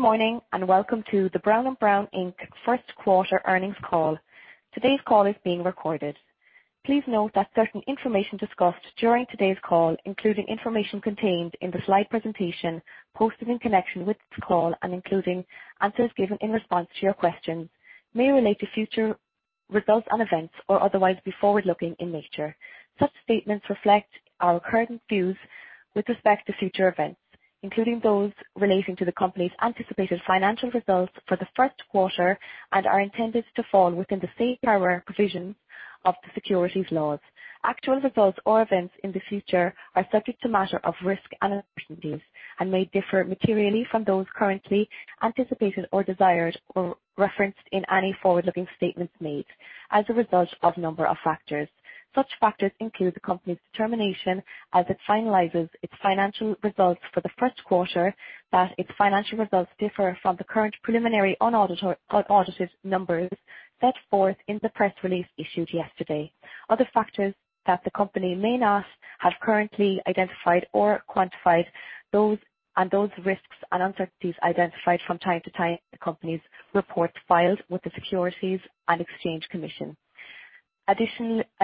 Good morning, and welcome to the Brown & Brown, Inc. first quarter earnings call. Today's call is being recorded. Please note that certain information discussed during today's call, including information contained in the slide presentation posted in connection with this call, and including answers given in response to your questions, may relate to future results and events or otherwise be forward-looking in nature. Such statements reflect our current views with respect to future events, including those relating to the company's anticipated financial results for the first quarter, and are intended to fall within the safe harbor provisions of the securities laws. Actual results or events in the future are subject to matter of risk and uncertainties and may differ materially from those currently anticipated or desired, or referenced in any forward-looking statements made as a result of a number of factors. Such factors include the company's determination as it finalizes its financial results for the first quarter, that its financial results differ from the current preliminary unaudited numbers set forth in the press release issued yesterday. Other factors that the company may not have currently identified or quantified, and those risks and uncertainties identified from time to time in the company's reports filed with the Securities and Exchange Commission.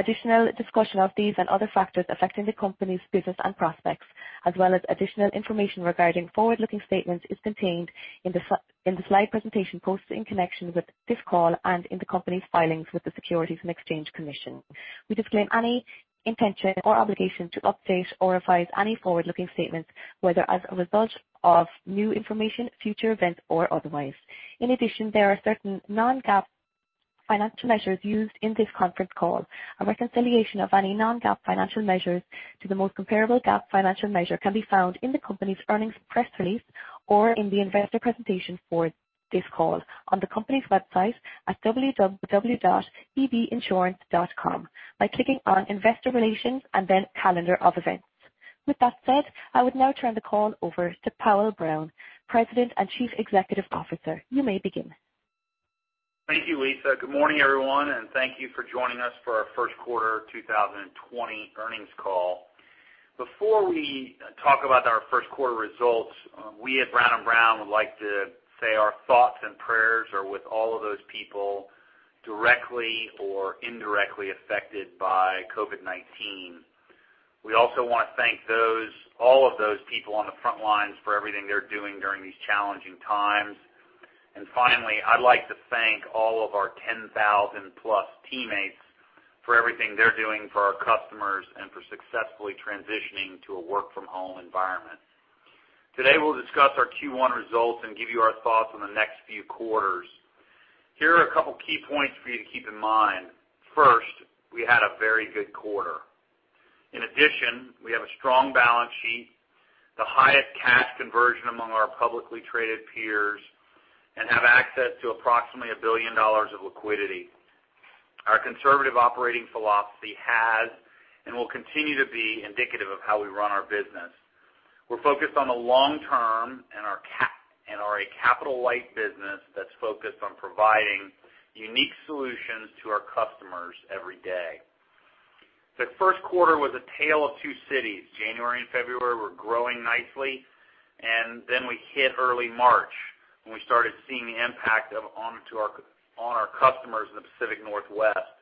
Additional discussion of these and other factors affecting the company's business and prospects, as well as additional information regarding forward-looking statements, is contained in the slide presentation posted in connection with this call and in the company's filings with the Securities and Exchange Commission. We disclaim any intention or obligation to update or revise any forward-looking statements, whether as a result of new information, future events, or otherwise. In addition, there are certain non-GAAP financial measures used in this conference call. A reconciliation of any non-GAAP financial measures to the most comparable GAAP financial measure can be found in the company's earnings press release or in the investor presentation for this call on the company's website at www.bbinsurance.com by clicking on Investor Relations and then Calendar of Events. With that said, I would now turn the call over to Powell Brown, President and Chief Executive Officer. You may begin. Thank you, Lisa. Good morning, everyone, and thank you for joining us for our first quarter 2020 earnings call. Before we talk about our first quarter results, we at Brown & Brown would like to say our thoughts and prayers are with all of those people directly or indirectly affected by COVID-19. We also want to thank all of those people on the front lines for everything they're doing during these challenging times. Finally, I'd like to thank all of our 10,000-plus teammates for everything they're doing for our customers and for successfully transitioning to a work-from-home environment. Today, we'll discuss our Q1 results and give you our thoughts on the next few quarters. Here are a couple key points for you to keep in mind. First, we had a very good quarter. In addition, we have a strong balance sheet, the highest cash conversion among our publicly traded peers, and have access to approximately $1 billion of liquidity. Our conservative operating philosophy has and will continue to be indicative of how we run our business. We're focused on the long term and are a capital-light business that's focused on providing unique solutions to our customers every day. The first quarter was a tale of two cities. January and February were growing nicely, we hit early March when we started seeing the impact on our customers in the Pacific Northwest.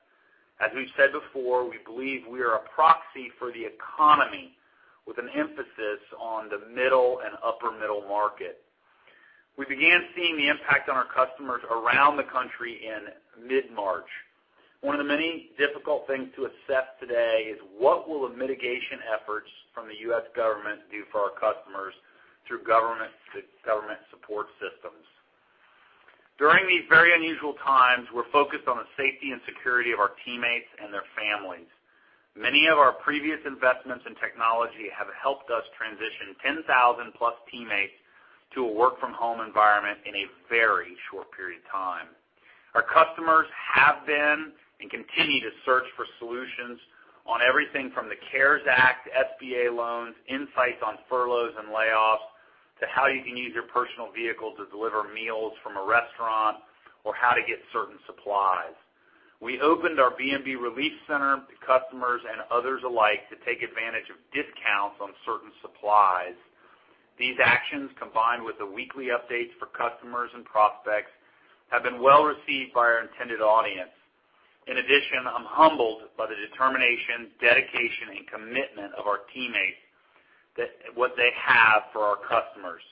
As we've said before, we believe we are a proxy for the economy with an emphasis on the middle and upper middle market. We began seeing the impact on our customers around the country in mid-March. One of the many difficult things to assess today is what will the mitigation efforts from the U.S. government do for our customers through government support systems. During these very unusual times, we're focused on the safety and security of our teammates and their families. Many of our previous investments in technology have helped us transition 10,000-plus teammates to a work-from-home environment in a very short period of time. Our customers have been, and continue to search for solutions on everything from the CARES Act, SBA loans, insights on furloughs and layoffs, to how you can use your personal vehicle to deliver meals from a restaurant or how to get certain supplies. We opened our B&B Relief Center to customers and others alike to take advantage of discounts on certain supplies. These actions, combined with the weekly updates for customers and prospects, have been well received by our intended audience. In addition, I'm humbled by the determination, dedication, and commitment of our teammates, what they have for our customers.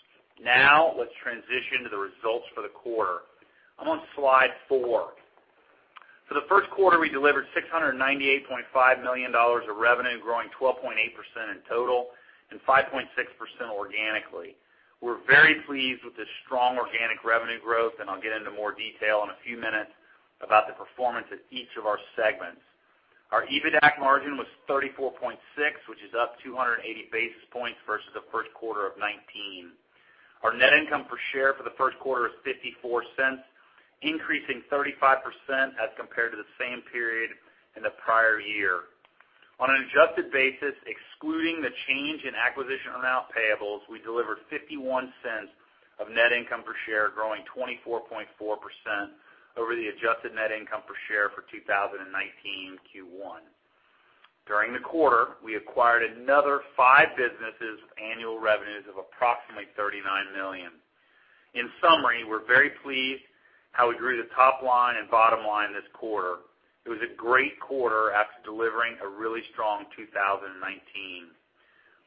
Now, let's transition to the results for the quarter. I'm on slide four. For the first quarter, we delivered $698.5 million of revenue, growing 12.8% in total and 5.6% organically. We're very pleased with the strong organic revenue growth, and I'll get into more detail in a few minutes about the performance of each of our segments. Our EBITDAC margin was 34.6, which is up 280 basis points versus the first quarter of 2019. Our net income per share for the first quarter is $0.54, increasing 35% as compared to the same period in the prior year. On an adjusted basis, excluding the change in acquisition earnout payables, we delivered $0.51 of net income per share, growing 24.4% over the adjusted net income per share for 2019 Q1. During the quarter, we acquired another five businesses with annual revenues of approximately $39 million. In summary, we're very pleased how we grew the top line and bottom line this quarter. It was a great quarter after delivering a really strong 2019.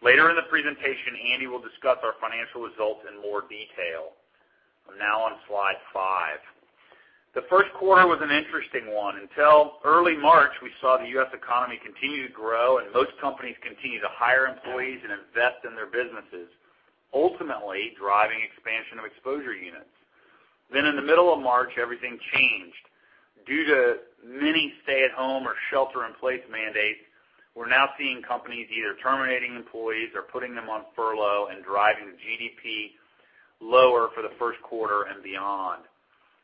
Later in the presentation, Andy will discuss our financial results in more detail. I'm now on slide five. The first quarter was an interesting one. Until early March, we saw the U.S. economy continue to grow and most companies continue to hire employees and invest in their businesses, ultimately driving expansion of exposure units. In the middle of March, everything changed. Due to many stay-at-home or shelter-in-place mandates, we're now seeing companies either terminating employees or putting them on furlough and driving the GDP lower for the first quarter and beyond.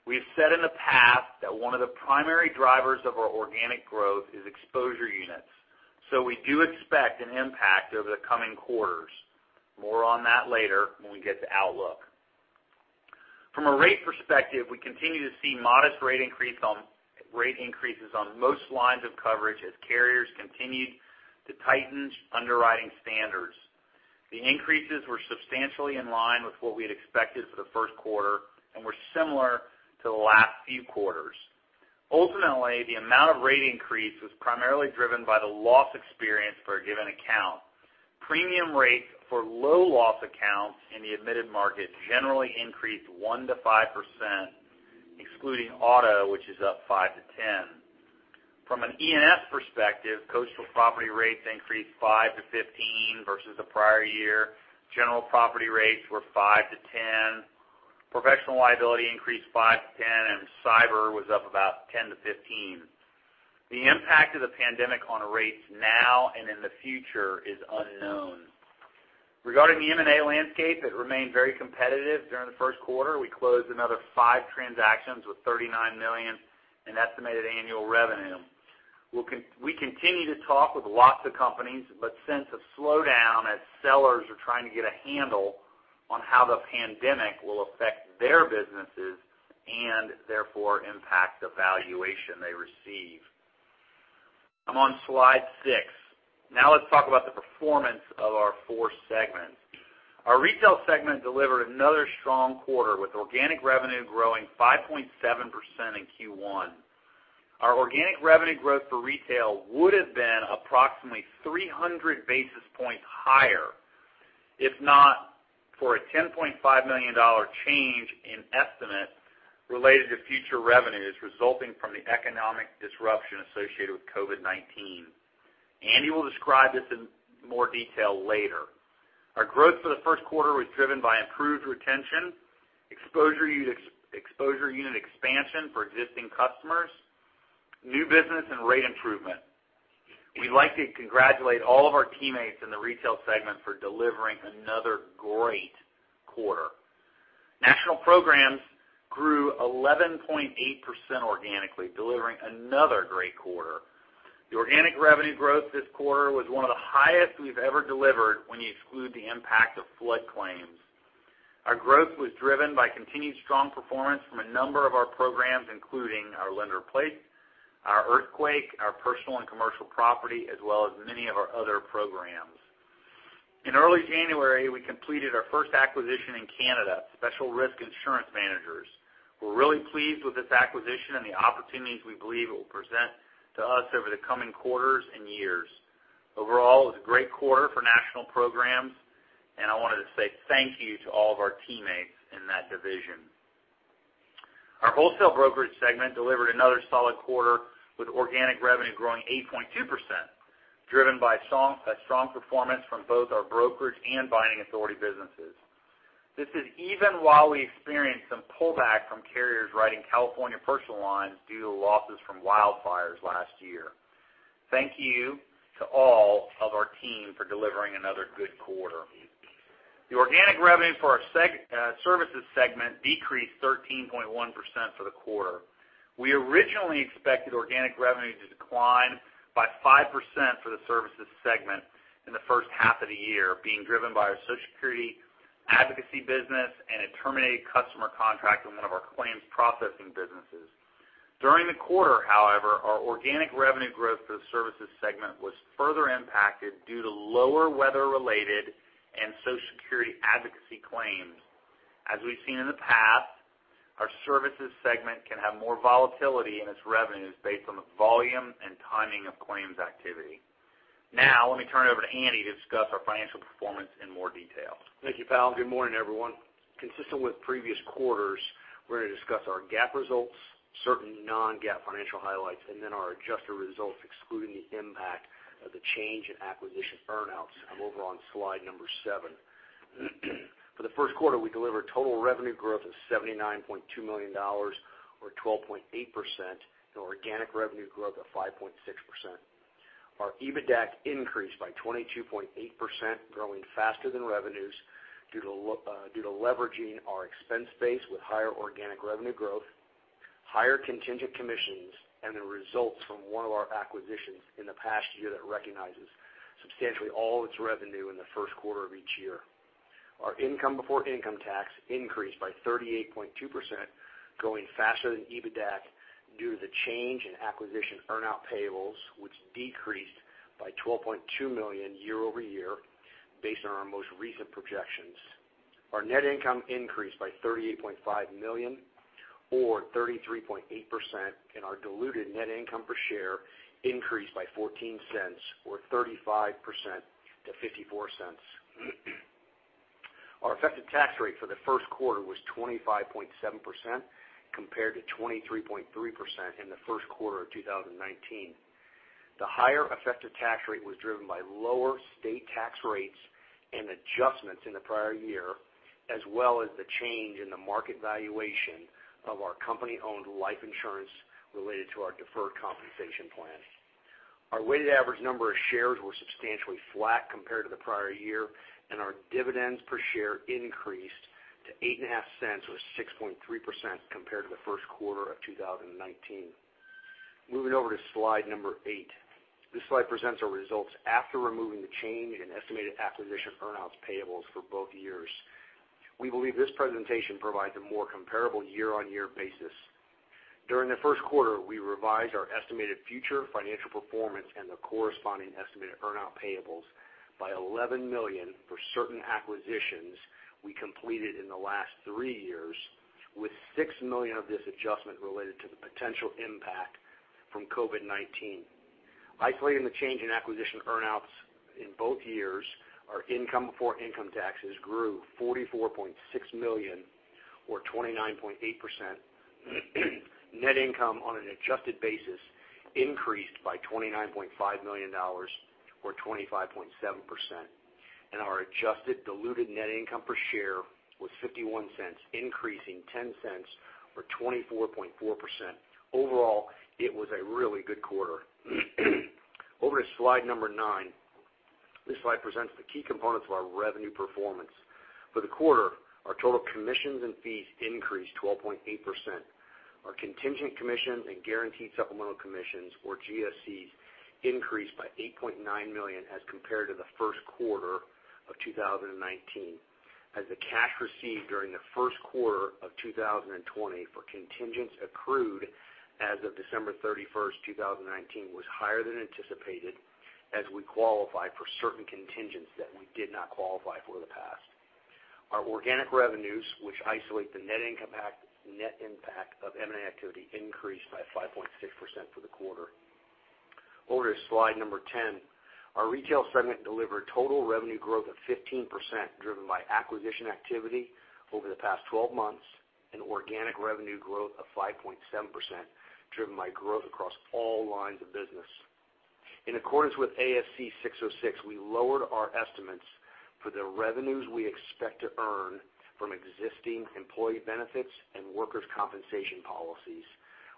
We've said in the past that one of the primary drivers of our organic growth is exposure units, so we do expect an impact over the coming quarters. More on that later when we get to outlook. From a rate perspective, we continue to see modest rate increases on most lines of coverage as carriers continued to tighten underwriting standards. The increases were substantially in line with what we had expected for the first quarter and were similar to the last few quarters. Ultimately, the amount of rate increase was primarily driven by the loss experience for a given account. Premium rates for low loss accounts in the admitted market generally increased 1%-5%, excluding auto, which is up 5%-10%. From an E&S perspective, coastal property rates increased 5%-15% versus the prior year. General property rates were 5%-10%. Professional liability increased 5%-10%, and cyber was up about 10%-15%. The impact of the pandemic on rates now and in the future is unknown. Regarding the M&A landscape, it remained very competitive during the first quarter. We closed another five transactions with $39 million in estimated annual revenue. We continue to talk with lots of companies, but sense a slowdown as sellers are trying to get a handle on how the pandemic will affect their businesses and therefore impact the valuation they receive. I'm on slide six. Let's talk about the performance of our four segments. Our Retail segment delivered another strong quarter, with organic revenue growing 5.7% in Q1. Our organic revenue growth for Retail would have been approximately 300 basis points higher if not for a $10.5 million change in estimate related to future revenues resulting from the economic disruption associated with COVID-19. Andy will describe this in more detail later. Our growth for the first quarter was driven by improved retention, exposure unit expansion for existing customers, new business, and rate improvement. We'd like to congratulate all of our teammates in the Retail segment for delivering another great quarter. National Programs grew 11.8% organically, delivering another great quarter. The organic revenue growth this quarter was one of the highest we've ever delivered when you exclude the impact of flood claims. Our growth was driven by continued strong performance from a number of our programs, including our lender-placed, our earthquake, our personal and commercial property, as well as many of our other programs. In early January, we completed our first acquisition in Canada, Special Risk Insurance Managers. We're really pleased with this acquisition and the opportunities we believe it will present to us over the coming quarters and years. Overall, it was a great quarter for National Programs, and I wanted to say thank you to all of our teammates in that division. Our Wholesale Brokerage segment delivered another solid quarter with organic revenue growing 8.2%, driven by strong performance from both our brokerage and binding authority businesses. This is even while we experienced some pullback from carriers writing California personal lines due to losses from wildfires last year. Thank you to all of our team for delivering another good quarter. The organic revenue for our Services segment decreased 13.1% for the quarter. We originally expected organic revenue to decline by 5% for the Services segment in the first half of the year, being driven by our Social Security advocacy business and a terminated customer contract in one of our claims processing businesses. During the quarter, however, our organic revenue growth for the Services segment was further impacted due to lower weather-related and Social Security advocacy claims. As we've seen in the past, our Services segment can have more volatility in its revenues based on the volume and timing of claims activity. Let me turn it over to Andy to discuss our financial performance in more detail. Thank you, Powell. Good morning, everyone. Consistent with previous quarters, we're going to discuss our GAAP results, certain non-GAAP financial highlights, and then our adjusted results excluding the impact of the change in acquisition earn-outs. I'm over on slide number seven. For the first quarter, we delivered total revenue growth of $79.2 million, or 12.8%, and organic revenue growth of 5.6%. Our EBITDAC increased by 22.8%, growing faster than revenues due to leveraging our expense base with higher organic revenue growth, higher contingent commissions, and the results from one of our acquisitions in the past year that recognizes substantially all of its revenue in the first quarter of each year. Our income before income tax increased by 38.2%, growing faster than EBITDAC due to the change in acquisition earn-out payables, which decreased by $12.2 million year-over-year based on our most recent projections. Our net income increased by $38.5 million, or 33.8%, and our diluted net income per share increased by $0.14 or 35% to $0.54. Our effective tax rate for the first quarter was 25.7% compared to 23.3% in the first quarter of 2019. The higher effective tax rate was driven by lower state tax rates and adjustments in the prior year, as well as the change in the market valuation of our company-owned life insurance related to our deferred compensation plan. Our weighted average number of shares were substantially flat compared to the prior year, and our dividends per share increased to $0.085 or 6.3% compared to the first quarter of 2019. Moving over to slide eight. This slide presents our results after removing the change in estimated acquisition earn-outs payables for both years. We believe this presentation provides a more comparable year-over-year basis. During the first quarter, we revised our estimated future financial performance and the corresponding estimated earn-out payables by $11 million for certain acquisitions we completed in the last three years, with $6 million of this adjustment related to the potential impact from COVID-19. Isolating the change in acquisition earn-outs in both years, our income before income taxes grew $44.6 million or 29.8%. Net income on an adjusted basis increased by $29.5 million, or 25.7%, and our adjusted diluted net income per share was $0.51, increasing $0.10 or 24.4%. Overall, it was a really good quarter. Over to slide number nine. This slide presents the key components of our revenue performance. For the quarter, our total commissions and fees increased 12.8%. Our contingent commissions and guaranteed supplemental commissions, or GSCs, increased by $8.9 million as compared to the first quarter of 2019, as the cash received during the first quarter of 2020 for contingents accrued as of December 31st, 2019, was higher than anticipated as we qualify for certain contingents that we did not qualify for in the past. Our organic revenues, which isolate the net impact of M&A activity, increased by 5.6% for the quarter. Over to slide number 10. Our retail segment delivered total revenue growth of 15%, driven by acquisition activity over the past 12 months and organic revenue growth of 5.7%, driven by growth across all lines of business. In accordance with ASC 606, we lowered our estimates for the revenues we expect to earn from existing employee benefits and workers' compensation policies,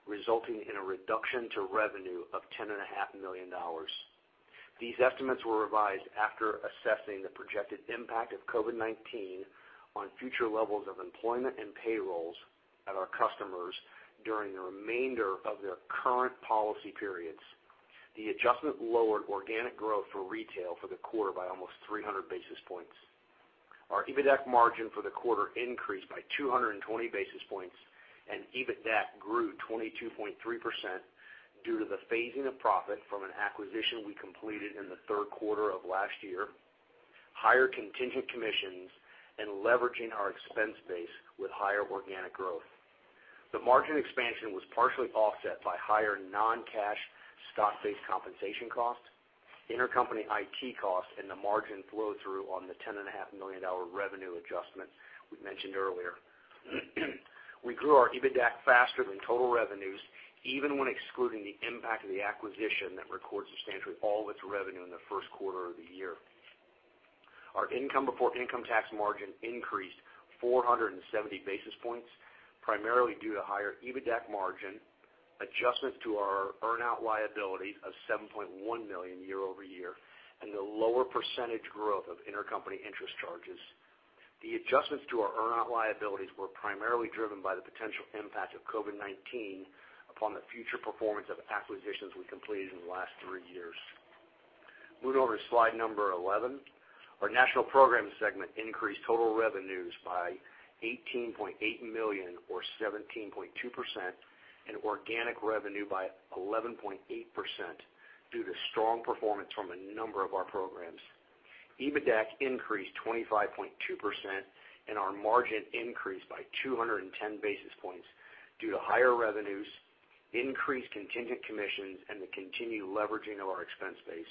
resulting in a reduction to revenue of $10.5 million. These estimates were revised after assessing the projected impact of COVID-19 on future levels of employment and payrolls at our customers during the remainder of their current policy periods. The adjustment lowered organic growth for retail for the quarter by almost 300 basis points. Our EBITDAC margin for the quarter increased by 220 basis points, and EBITDAC grew 22.3% due to the phasing of profit from an acquisition we completed in the third quarter of last year, higher contingent commissions, and leveraging our expense base with higher organic growth. The margin expansion was partially offset by higher non-cash stock-based compensation costs, intercompany IT costs, and the margin flow-through on the $10.5 million revenue adjustment we mentioned earlier. We grew our EBITDAC faster than total revenues, even when excluding the impact of the acquisition that records substantially all of its revenue in the first quarter of the year. Our income before income tax margin increased 470 basis points, primarily due to higher EBITDAC margin, adjustments to our earn-out liability of $7.1 million year-over-year, and the lower percentage growth of intercompany interest charges. The adjustments to our earn-out liabilities were primarily driven by the potential impact of COVID-19 upon the future performance of acquisitions we completed in the last three years. Moving over to slide number 11. Our national program segment increased total revenues by $18.8 million or 17.2%, and organic revenue by 11.8% due to strong performance from a number of our programs. EBITDAC increased 25.2%, and our margin increased by 210 basis points due to higher revenues, increased contingent commissions, and the continued leveraging of our expense base.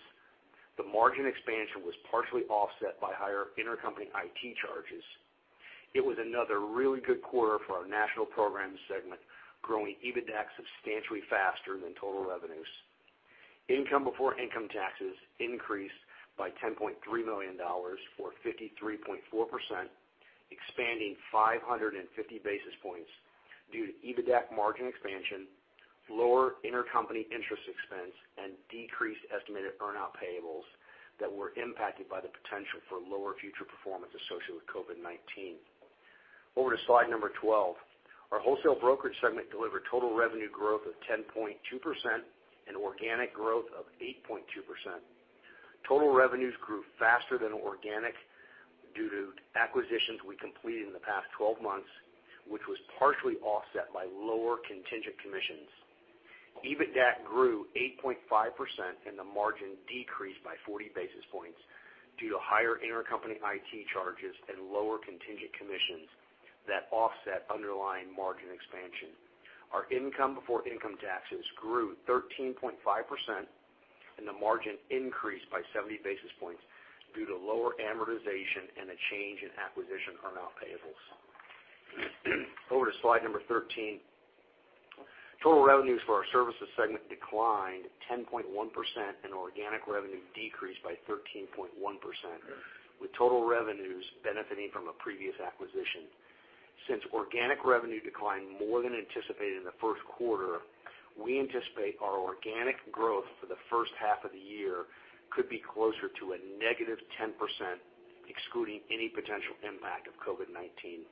The margin expansion was partially offset by higher intercompany IT charges. It was another really good quarter for our National Programs segment, growing EBITDAC substantially faster than total revenues. Income before income taxes increased by $10.3 million, or 53.4%, expanding 550 basis points due to EBITDAC margin expansion, lower intercompany interest expense, and decreased estimated earn-out payables that were impacted by the potential for lower future performance associated with COVID-19. Over to slide number 12. Our Wholesale Brokerage segment delivered total revenue growth of 10.2% and organic growth of 8.2%. Total revenues grew faster than organic due to acquisitions we completed in the past 12 months, which was partially offset by lower contingent commissions. EBITDA grew 8.5%, and the margin decreased by 40 basis points due to higher intercompany IT charges and lower contingent commissions that offset underlying margin expansion. Our income before income taxes grew 13.5%, and the margin increased by 70 basis points due to lower amortization and a change in acquisition earnout payables. Over to slide number 13. Total revenues for our services segment declined 10.1%, and organic revenue decreased by 13.1%, with total revenues benefiting from a previous acquisition. Since organic revenue declined more than anticipated in the first quarter, we anticipate our organic growth for the first half of the year could be closer to a negative 10%, excluding any potential impact of COVID-19.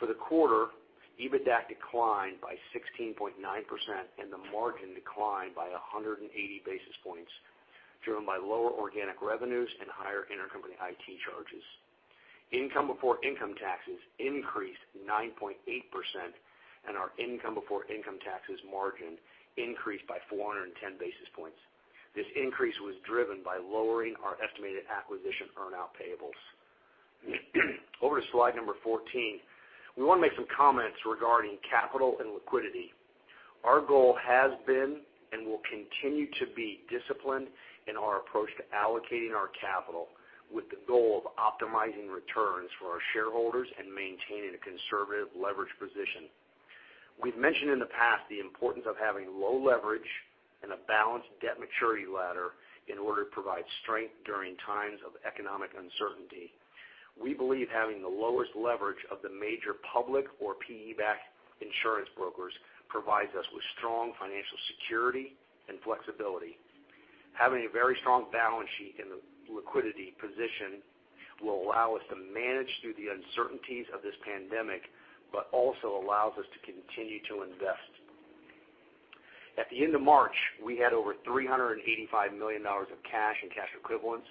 For the quarter, EBITDA declined by 16.9%, and the margin declined by 180 basis points, driven by lower organic revenues and higher intercompany IT charges. Income before income taxes increased 9.8%, and our income before income taxes margin increased by 410 basis points. This increase was driven by lowering our estimated acquisition earnout payables. Over to slide number 14. We want to make some comments regarding capital and liquidity. Our goal has been, and will continue to be disciplined in our approach to allocating our capital with the goal of optimizing returns for our shareholders and maintaining a conservative leverage position. We've mentioned in the past the importance of having low leverage and a balanced debt maturity ladder in order to provide strength during times of economic uncertainty. We believe having the lowest leverage of the major public or PE-backed insurance brokers provides us with strong financial security and flexibility. Having a very strong balance sheet and liquidity position will allow us to manage through the uncertainties of this pandemic, but also allows us to continue to invest. At the end of March, we had over $385 million of cash and cash equivalents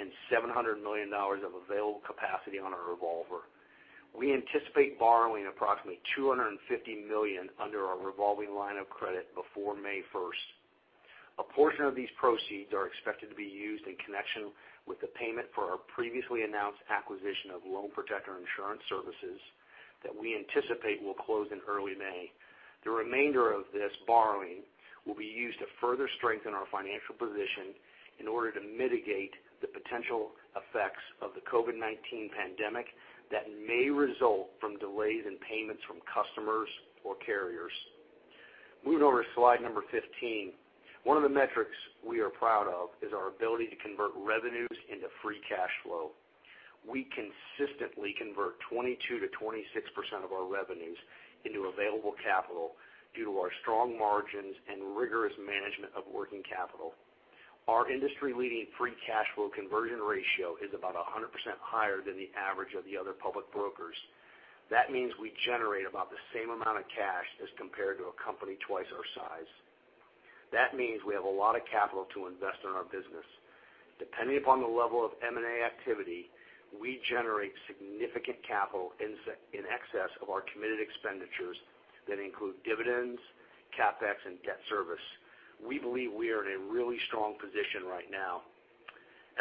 and $700 million of available capacity on our revolver. We anticipate borrowing approximately $250 million under our revolving line of credit before May 1st. A portion of these proceeds are expected to be used in connection with the payment for our previously announced acquisition of Loan Protector Insurance Services that we anticipate will close in early May. The remainder of this borrowing will be used to further strengthen our financial position in order to mitigate the potential effects of the COVID-19 pandemic that may result from delays in payments from customers or carriers. Moving over to slide number 15. One of the metrics we are proud of is our ability to convert revenues into free cash flow. We consistently convert 22%-26% of our revenues into available capital due to our strong margins and rigorous management of working capital. Our industry-leading free cash flow conversion ratio is about 100% higher than the average of the other public brokers. That means we generate about the same amount of cash as compared to a company twice our size. That means we have a lot of capital to invest in our business. Depending upon the level of M&A activity, we generate significant capital in excess of our committed expenditures that include dividends, CapEx, and debt service. We believe we are in a really strong position right now.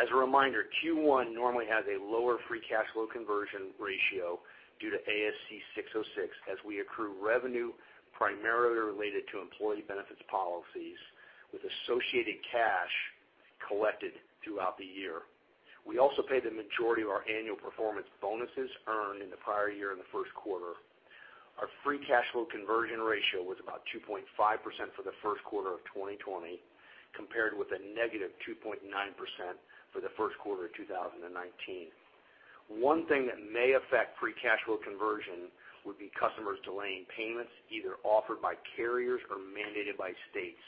As a reminder, Q1 normally has a lower free cash flow conversion ratio due to ASC 606, as we accrue revenue primarily related to employee benefits policies with associated cash collected throughout the year. We also pay the majority of our annual performance bonuses earned in the prior year in the first quarter. Our free cash flow conversion ratio was about 2.5% for the first quarter of 2020, compared with a negative 2.9% for the first quarter of 2019. One thing that may affect free cash flow conversion would be customers delaying payments, either offered by carriers or mandated by states.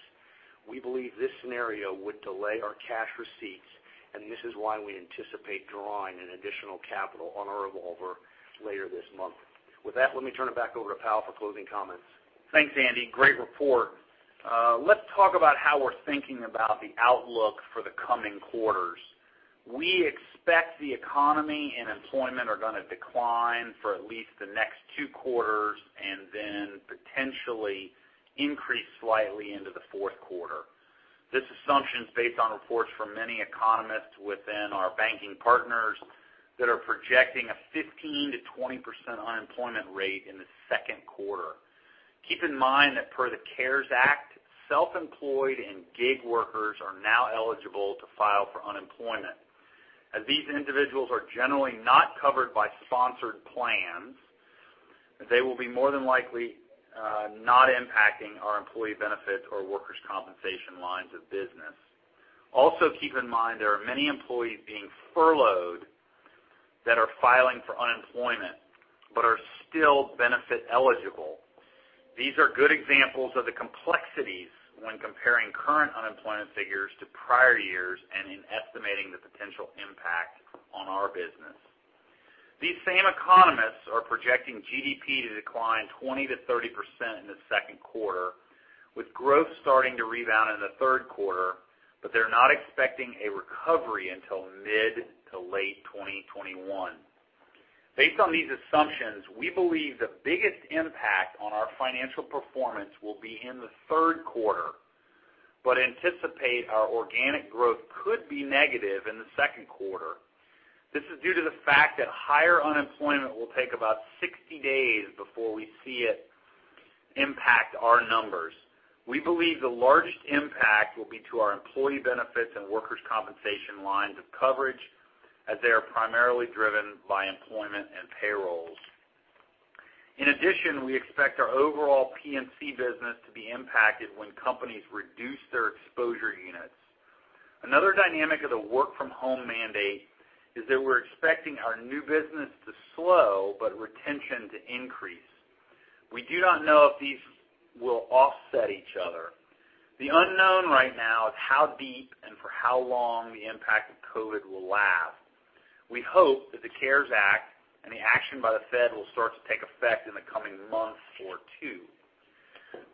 We believe this scenario would delay our cash receipts, and this is why we anticipate drawing in additional capital on our revolver later this month. With that, let me turn it back over to Powell for closing comments. Thanks, Andy. Great report. Let's talk about how we're thinking about the outlook for the coming quarters. We expect the economy and employment are going to decline for at least the next two quarters and then potentially increase slightly into the fourth quarter. This assumption is based on reports from many economists within our banking partners that are projecting a 15%-20% unemployment rate in the second quarter. Keep in mind that per the CARES Act, self-employed and gig workers are now eligible to file for unemployment. These individuals are generally not covered by sponsored plans, they will be more than likely not impacting our employee benefits or workers' compensation lines of business. Also, keep in mind there are many employees being furloughed that are filing for unemployment but are still benefit eligible. These are good examples of the complexities when comparing current unemployment figures to prior years and in estimating the potential impact on our business. These same economists are projecting GDP to decline 20%-30% in the second quarter, with growth starting to rebound in the third quarter, but they're not expecting a recovery until mid to late 2021. Based on these assumptions, we believe the biggest impact on our financial performance will be in the third quarter, but anticipate our organic growth could be negative in the second quarter. This is due to the fact that higher unemployment will take about 60 days before we see it impact our numbers. We believe the largest impact will be to our employee benefits and workers' compensation lines of coverage, as they are primarily driven by employment and payrolls. In addition, we expect our overall P&C business to be impacted when companies reduce their exposure units. Another dynamic of the work-from-home mandate is that we're expecting our new business to slow, but retention to increase. We do not know if these will offset each other. The unknown right now is how deep and for how long the impact of COVID-19 will last. We hope that the CARES Act and the action by the Fed will start to take effect in the coming month or two.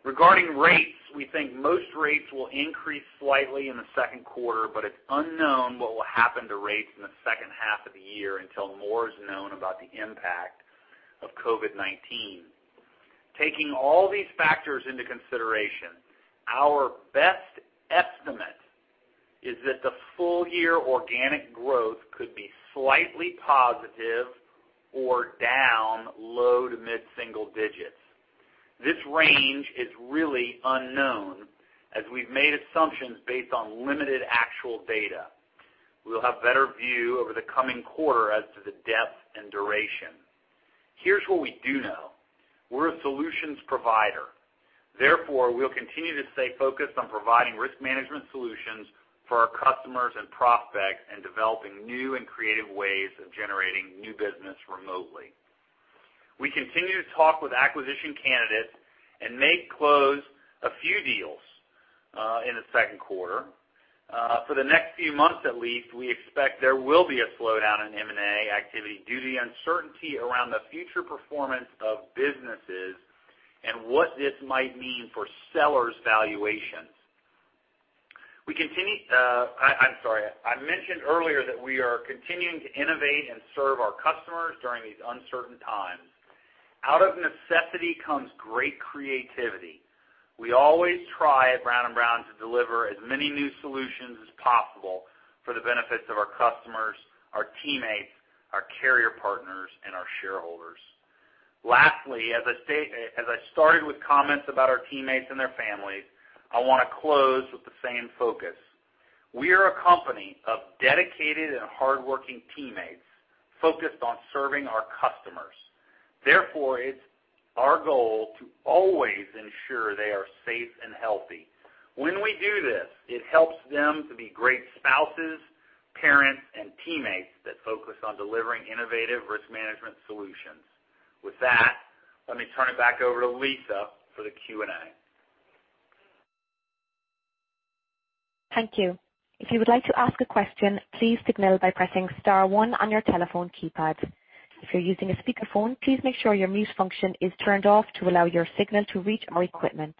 Regarding rates, we think most rates will increase slightly in the second quarter, but it's unknown what will happen to rates in the second half of the year until more is known about the impact of COVID-19. Taking all these factors into consideration, our best estimate is that the full-year organic growth could be slightly positive or down low to mid-single digits. This range is really unknown, as we've made assumptions based on limited actual data. We'll have better view over the coming quarter as to the depth and duration. Here's what we do know. We're a solutions provider. We'll continue to stay focused on providing risk management solutions for our customers and prospects in developing new and creative ways of generating new business remotely. We continue to talk with acquisition candidates and may close a few deals in the second quarter. For the next few months at least, we expect there will be a slowdown in M&A activity due to the uncertainty around the future performance of businesses and what this might mean for sellers' valuations. I mentioned earlier that we are continuing to innovate and serve our customers during these uncertain times. Out of necessity comes great creativity. We always try at Brown & Brown to deliver as many new solutions as possible for the benefits of our customers, our teammates, our carrier partners, and our shareholders. Lastly, as I started with comments about our teammates and their families, I want to close with the same focus. We are a company of dedicated and hardworking teammates focused on serving our customers. Therefore, it's our goal to always ensure they are safe and healthy. When we do this, it helps them to be great spouses, parents, and teammates that focus on delivering innovative risk management solutions. With that, let me turn it back over to Lisa for the Q&A. Thank you. If you would like to ask a question, please signal by pressing star one on your telephone keypad. If you're using a speakerphone, please make sure your mute function is turned off to allow your signal to reach our equipment.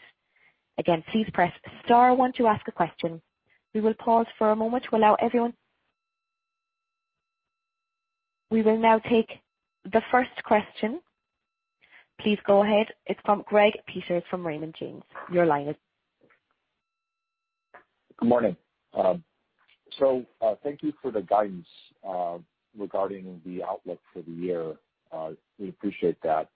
Again, please press star one to ask a question. We will now take the first question. Please go ahead. It's from Greg Peters from Raymond James. Your line is Good morning. Thank you for the guidance regarding the outlook for the year. We appreciate that.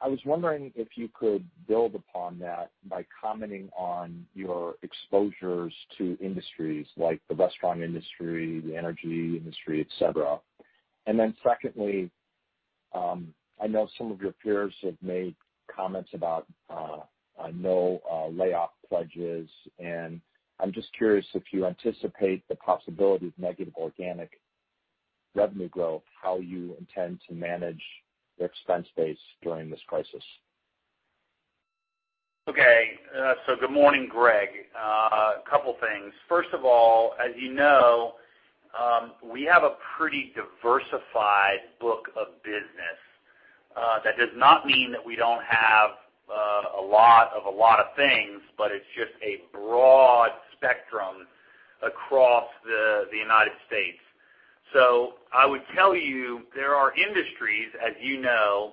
I was wondering if you could build upon that by commenting on your exposures to industries like the restaurant industry, the energy industry, et cetera. Secondly, I know some of your peers have made comments about no layoff pledges, and I'm just curious if you anticipate the possibility of negative organic revenue growth, how you intend to manage your expense base during this crisis. Okay. Good morning, Greg. Couple things. First of all, as you know, we have a pretty diversified book of business. That does not mean that we don't have a lot of things, but it's just a broad spectrum across the United States. I would tell you there are industries, as you know,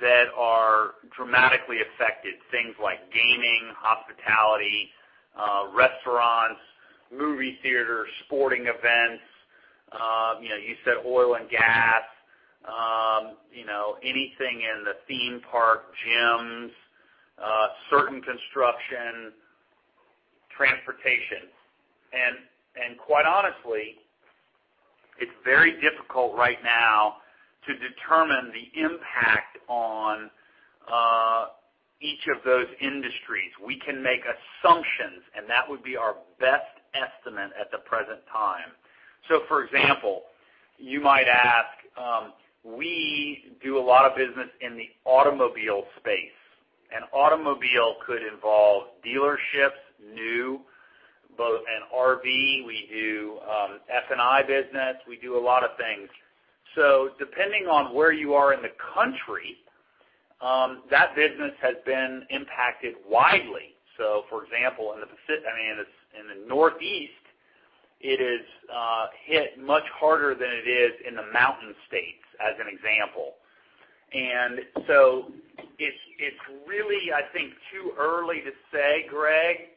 that are dramatically affected. Things like gaming, hospitality, restaurants, movie theaters, sporting events. You said oil and gas. Anything in the theme park, gyms, certain construction, transportation. Quite honestly, it's very difficult right now to determine the impact on each of those industries, we can make assumptions, and that would be our best estimate at the present time. For example, you might ask, we do a lot of business in the automobile space, and automobile could involve dealerships, new, both and RV. We do F&I business. We do a lot of things. Depending on where you are in the country, that business has been impacted widely. For example, in the Northeast, it is hit much harder than it is in the mountain states, as an example. It's really, I think, too early to say, Greg.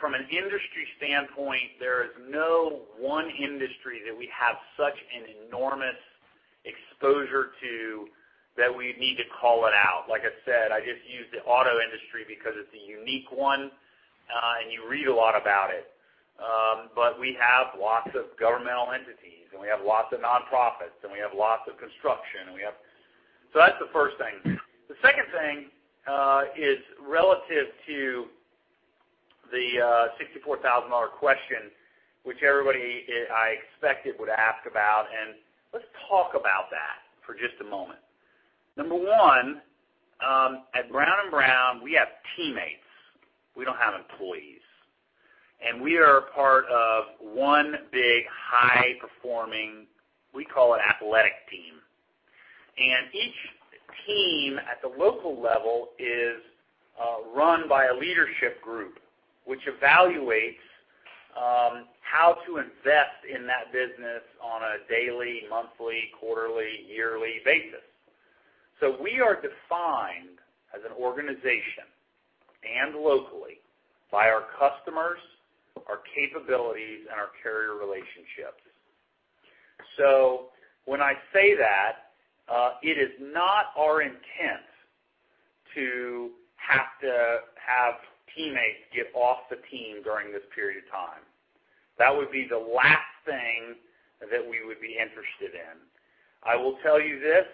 From an industry standpoint, there is no one industry that we have such an enormous exposure to that we need to call it out. Like I said, I just used the auto industry because it's a unique one, and you read a lot about it. We have lots of governmental entities, and we have lots of nonprofits, and we have lots of construction. That's the first thing. The second thing is relative to the $64,000 question, which everybody I expected would ask about, and let's talk about that for just a moment. Number one, at Brown & Brown, we have teammates. We don't have employees. We are a part of one big, high-performing, we call it athletic team. Each team at the local level is run by a leadership group, which evaluates how to invest in that business on a daily, monthly, quarterly, yearly basis. We are defined as an organization and locally by our customers, our capabilities, and our carrier relationships. When I say that, it is not our intent to have teammates get off the team during this period of time. That would be the last thing that we would be interested in. I will tell you this,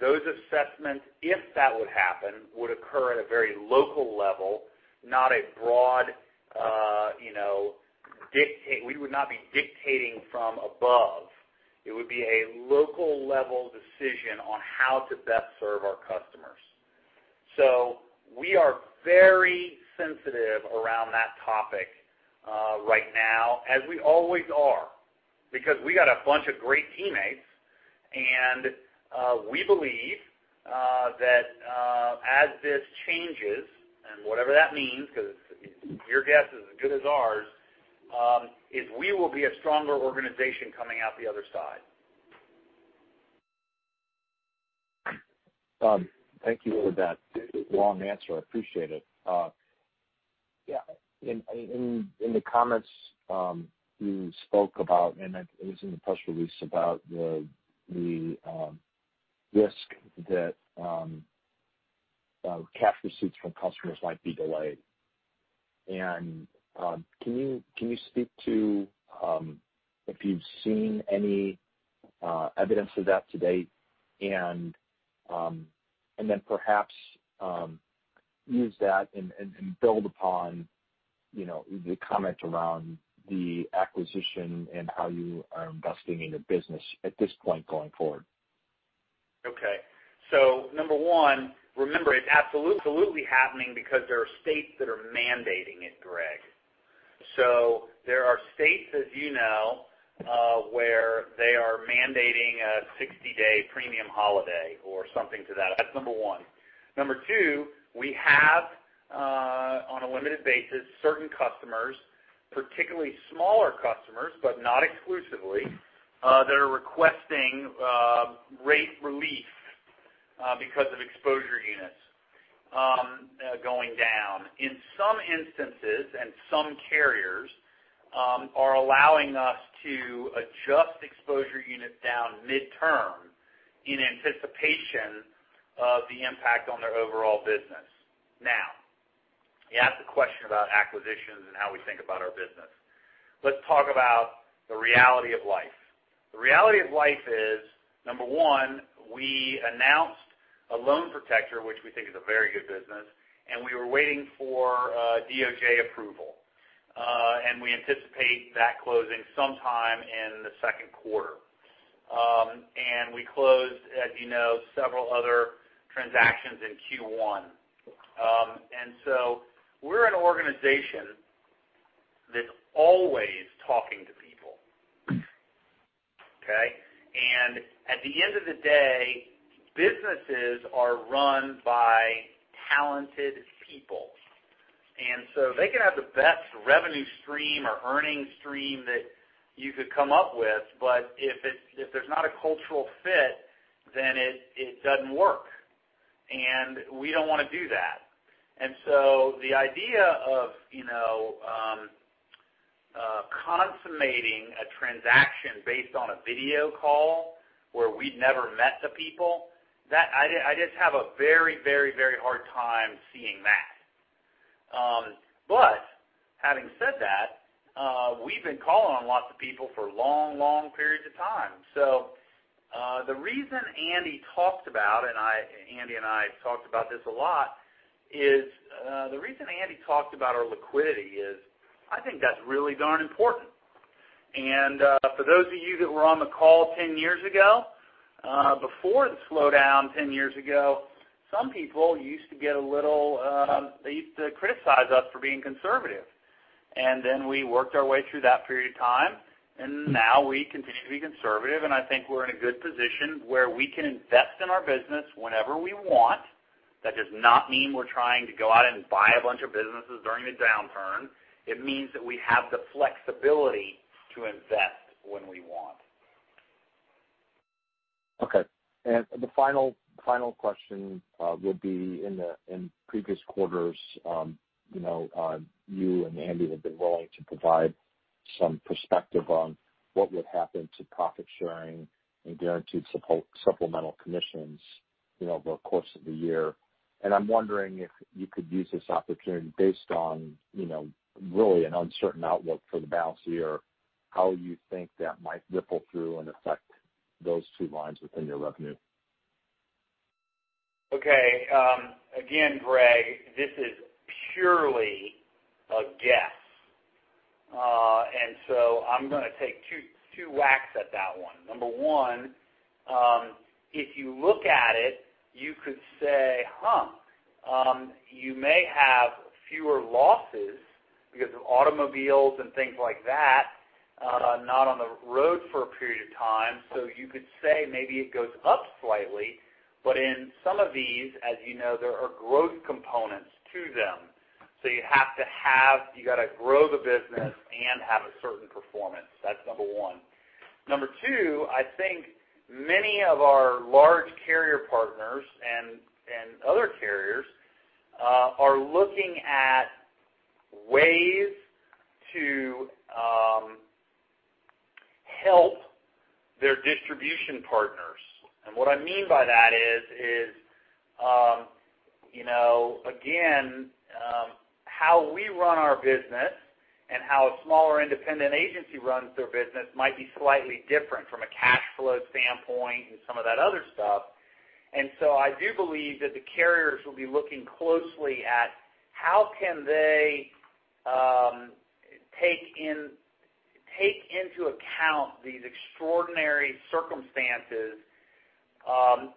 those assessments, if that would happen, would occur at a very local level, we would not be dictating from above. It would be a local level decision on how to best serve our customers. We are very sensitive around that topic right now, as we always are, because we got a bunch of great teammates, and we believe that as this changes, and whatever that means, because your guess is as good as ours, is we will be a stronger organization coming out the other side. Thank you for that long answer. I appreciate it. In the comments you spoke about, and it was in the press release about the risk that cash receipts from customers might be delayed. Can you speak to if you've seen any evidence of that to date? Then perhaps use that and build upon the comment around the acquisition and how you are investing in your business at this point going forward. Okay. number one, remember, it's absolutely happening because there are states that are mandating it, Greg. There are states, as you know, where they are mandating a 60-day premium holiday or something to that. That's number one. Number two, we have, on a limited basis, certain customers, particularly smaller customers, but not exclusively, that are requesting rate relief because of exposure units going down. In some instances, some carriers are allowing us to adjust exposure units down midterm in anticipation of the impact on their overall business. Now, you asked the question about acquisitions and how we think about our business. Let's talk about the reality of life. The reality of life is, number one, we announced a Loan Protector, which we think is a very good business, we were waiting for DOJ approval. We anticipate that closing sometime in the second quarter. We closed, as you know, several other transactions in Q1. We're an organization that's always talking to people. Okay? At the end of the day, businesses are run by talented people. They could have the best revenue stream or earning stream that you could come up with, but if there's not a cultural fit, then it doesn't work. We don't want to do that. The idea of consummating a transaction based on a video call where we'd never met the people, I just have a very hard time seeing that. Having said that, we've been calling on lots of people for long periods of time. The reason Andy talked about, and Andy and I talked about this a lot, is, the reason Andy talked about our liquidity is, I think that's really darn important. For those of you that were on the call 10 years ago, before the slowdown 10 years ago, some people used to criticize us for being conservative. We worked our way through that period of time, and now we continue to be conservative, and I think we're in a good position where we can invest in our business whenever we want. That does not mean we're trying to go out and buy a bunch of businesses during the downturn. It means that we have the flexibility to invest when we want. Okay. The final question would be, in previous quarters, you and Andy have been willing to provide some perspective on what would happen to profit-sharing and guaranteed supplemental commissions over the course of the year, and I'm wondering if you could use this opportunity based on really an uncertain outlook for the balance of the year, how you think that might ripple through and affect those two lines within your revenue. Okay. Again, Greg, this is purely a guess. I'm going to take two whacks at that one. Number one, if you look at it, you could say, huh, you may have fewer losses because of automobiles and things like that not on the road for a period of time. You could say maybe it goes up slightly. In some of these, as you know, there are growth components to them. You got to grow the business and have a certain performance. That's number one. Number two, I think many of our large carrier partners and other carriers, are looking at ways to help their distribution partners. What I mean by that is, again, how we run our business and how a smaller independent agency runs their business might be slightly different from a cash flow standpoint and some of that other stuff. I do believe that the carriers will be looking closely at how can they take into account these extraordinary circumstances,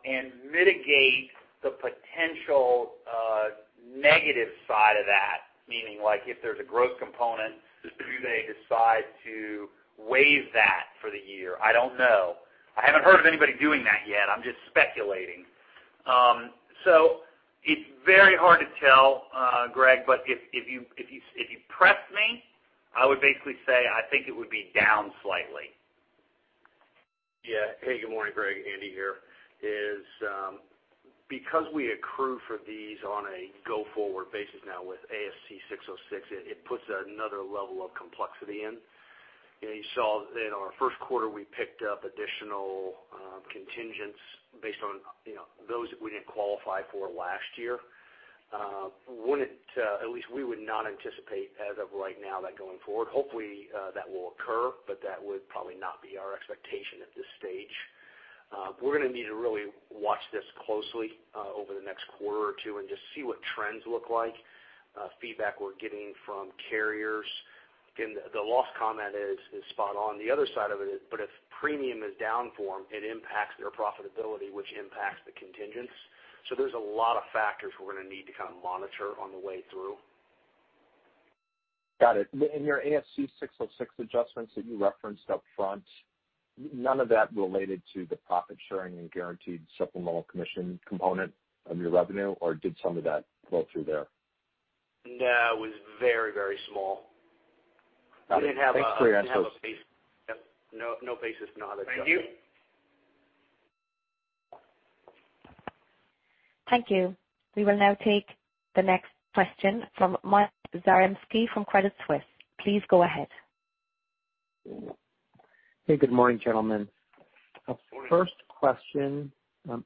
and mitigate the potential negative side of that. Meaning, if there's a growth component, do they decide to waive that for the year? I don't know. I haven't heard of anybody doing that yet. I'm just speculating. It's very hard to tell, Greg, but if you press me, I would basically say, I think it would be down slightly. Hey, good morning, Greg. Andy here. Because we accrue for these on a go-forward basis now with ASC 606, it puts another level of complexity in. You saw that in our first quarter, we picked up additional contingents based on those that we didn't qualify for last year. At least we would not anticipate as of right now that going forward. Hopefully, that will occur, but that would probably not be our expectation at this stage. We're going to need to really watch this closely, over the next quarter or two and just see what trends look like, feedback we're getting from carriers. Again, the last comment is spot on. The other side of it is, if premium is down form, it impacts their profitability, which impacts the contingents. There's a lot of factors we're going to need to kind of monitor on the way through. Got it. In your ASC 606 adjustments that you referenced up front, none of that related to the profit-sharing and Guaranteed Supplemental Commission component of your revenue, or did some of that flow through there? No. It was very small. Got it. Thanks for the answers. We didn't have a base. No basis, no other adjustment. Thank you. Thank you. We will now take the next question from Mike Zaremski from Credit Suisse. Please go ahead. Hey, good morning, gentlemen. Morning. First question,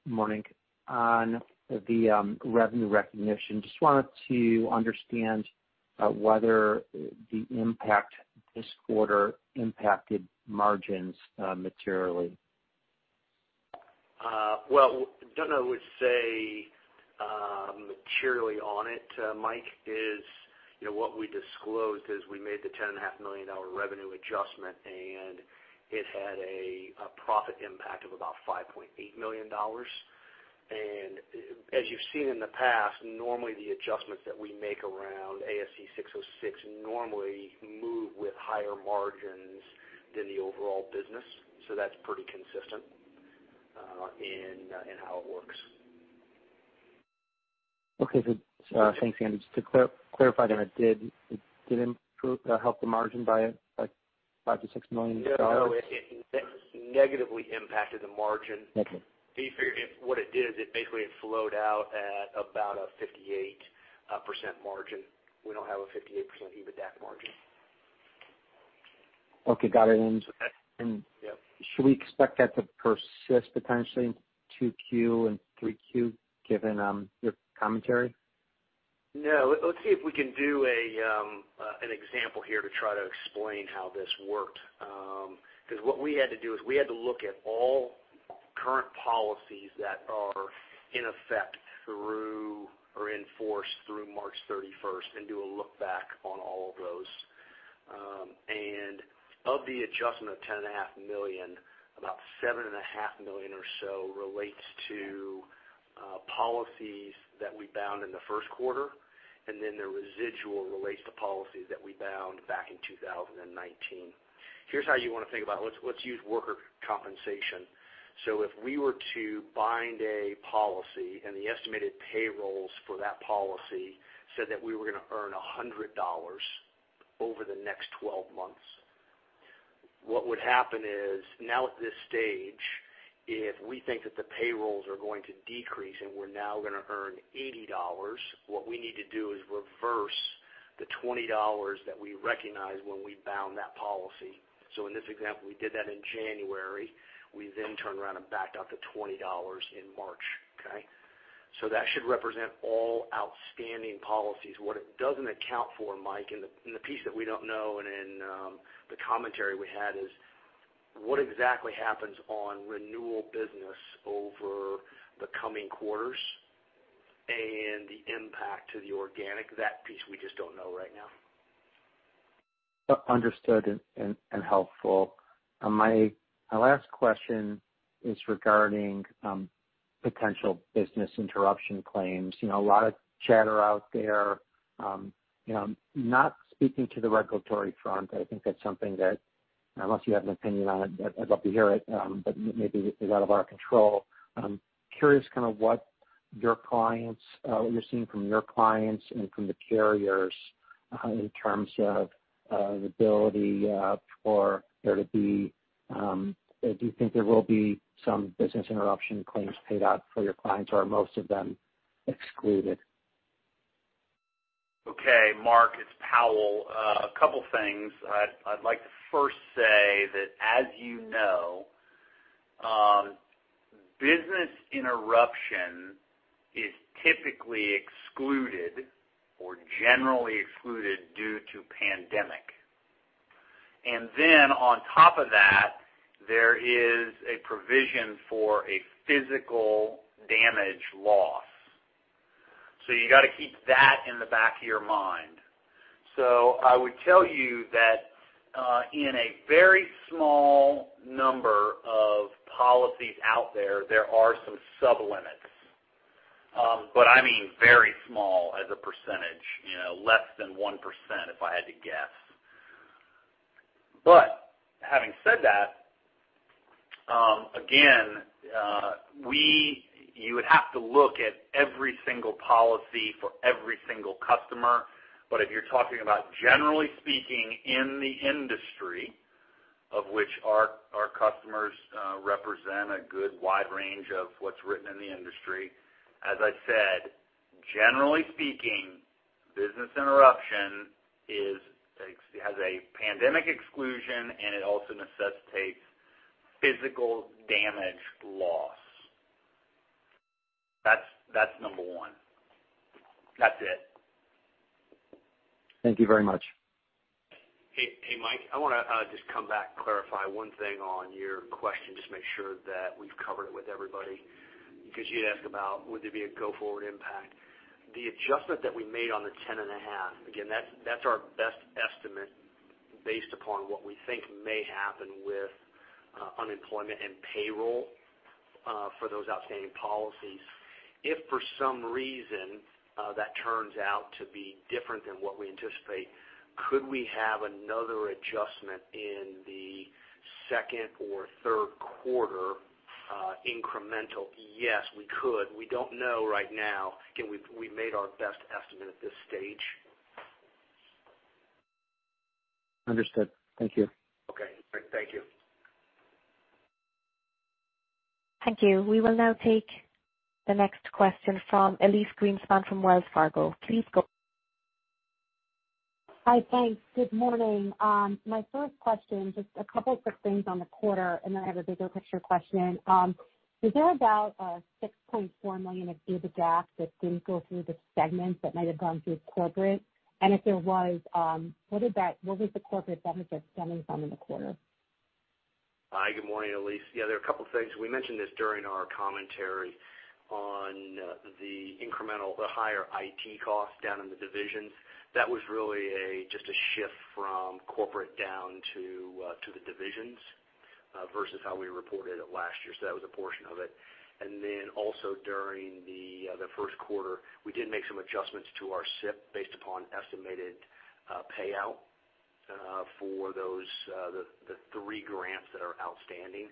morning, on the revenue recognition. Just wanted to understand whether the impact this quarter impacted margins materially? Well, don't know I would say materially on it, Mike, is what we disclosed is we made the $10.5 million revenue adjustment, and it had a profit impact of about $5.8 million. As you've seen in the past, normally the adjustments that we make around ASC 606 normally move with higher margins than the overall business. That's pretty consistent in how it works. Okay, good. Thanks, Andy. Just to clarify then, it did help the margin by like $5 million-$6 million? No, it negatively impacted the margin. Okay. What it did is it basically it flowed out at about a 58% margin. We don't have a 58% EBITDA margin. Okay, got it. Okay. Should we expect that to persist potentially in 2Q and 3Q, given your commentary? No. Let's see if we can do an example here to try to explain how this worked. What we had to do is we had to look at all current policies that are in effect through, or in force through March 31st and do a look back on all of those. Of the adjustment of $10.5 million, about $7.5 million or so relates to policies that we bound in the first quarter, and then the residual relates to policies that we bound back in 2019. Here's how you want to think about it. Let's use worker compensation. If we were to bind a policy and the estimated payrolls for that policy said that we were going to earn $100 over the next 12 months, what would happen is, now at this stage, if we think that the payrolls are going to decrease and we're now going to earn $80, what we need to do is reverse the $20 that we recognized when we bound that policy. In this example, we did that in January. We then turned around and backed out the $20 in March. Okay? That should represent all outstanding policies. What it doesn't account for, Mike, and the piece that we don't know and in the commentary we had is, what exactly happens on renewal business over the coming quarters and the impact to the organic. That piece we just don't know right now. Understood and helpful. My last question is regarding potential business interruption claims. A lot of chatter out there. Not speaking to the regulatory front, I think that's something that, unless you have an opinion on it, I'd love to hear it, but maybe is out of our control. I'm curious what you're seeing from your clients and from the carriers in terms of the ability. Do you think there will be some business interruption claims paid out for your clients, or are most of them excluded? Okay, Mark, it's Powell. A couple things. I'd like to first say that as you know, business interruption is typically excluded or generally excluded due to pandemic. On top of that, there is a provision for a physical damage loss. You've got to keep that in the back of your mind. I would tell you that in a very small number of policies out there are some sub-limits. I mean, very small as a percentage, less than 1%, if I had to guess. Having said that, again, you would have to look at every single policy for every single customer. If you're talking about generally speaking in the industry, of which our customers represent a good wide range of what's written in the industry, as I said, generally speaking, business interruption has a pandemic exclusion, and it also necessitates physical damage loss. That's number one. That's it. Thank you very much. Hey, Mike, I want to just come back, clarify one thing on your question, just make sure that we've covered it with everybody, because you'd asked about would there be a go-forward impact. The adjustment that we made on the 10.5, again, that's our best estimate based upon what we think may happen with unemployment and payroll for those outstanding policies. If for some reason that turns out to be different than what we anticipate, could we have another adjustment in the second or third quarter incremental? Yes, we could. We don't know right now. Again, we made our best estimate at this stage. Understood. Thank you. Okay. Thank you. Thank you. We will now take the next question from Elyse Greenspan from Wells Fargo. Please go ahead. Hi, thanks. Good morning. My first question, just a couple quick things on the quarter, then I have a bigger picture question. Is there about a $6.4 million of EBITDA that didn't go through the segments that might have gone through corporate? If there was, what was the corporate benefit stemming from in the quarter? Hi, good morning, Elyse. There are a couple of things. We mentioned this during our commentary on the incremental, the higher IT cost down in the divisions. That was really just a shift from corporate down to the divisions, versus how we reported it last year. That was a portion of it. Then also during the first quarter, we did make some adjustments to our SIP based upon estimated payout for the three grants that are outstanding.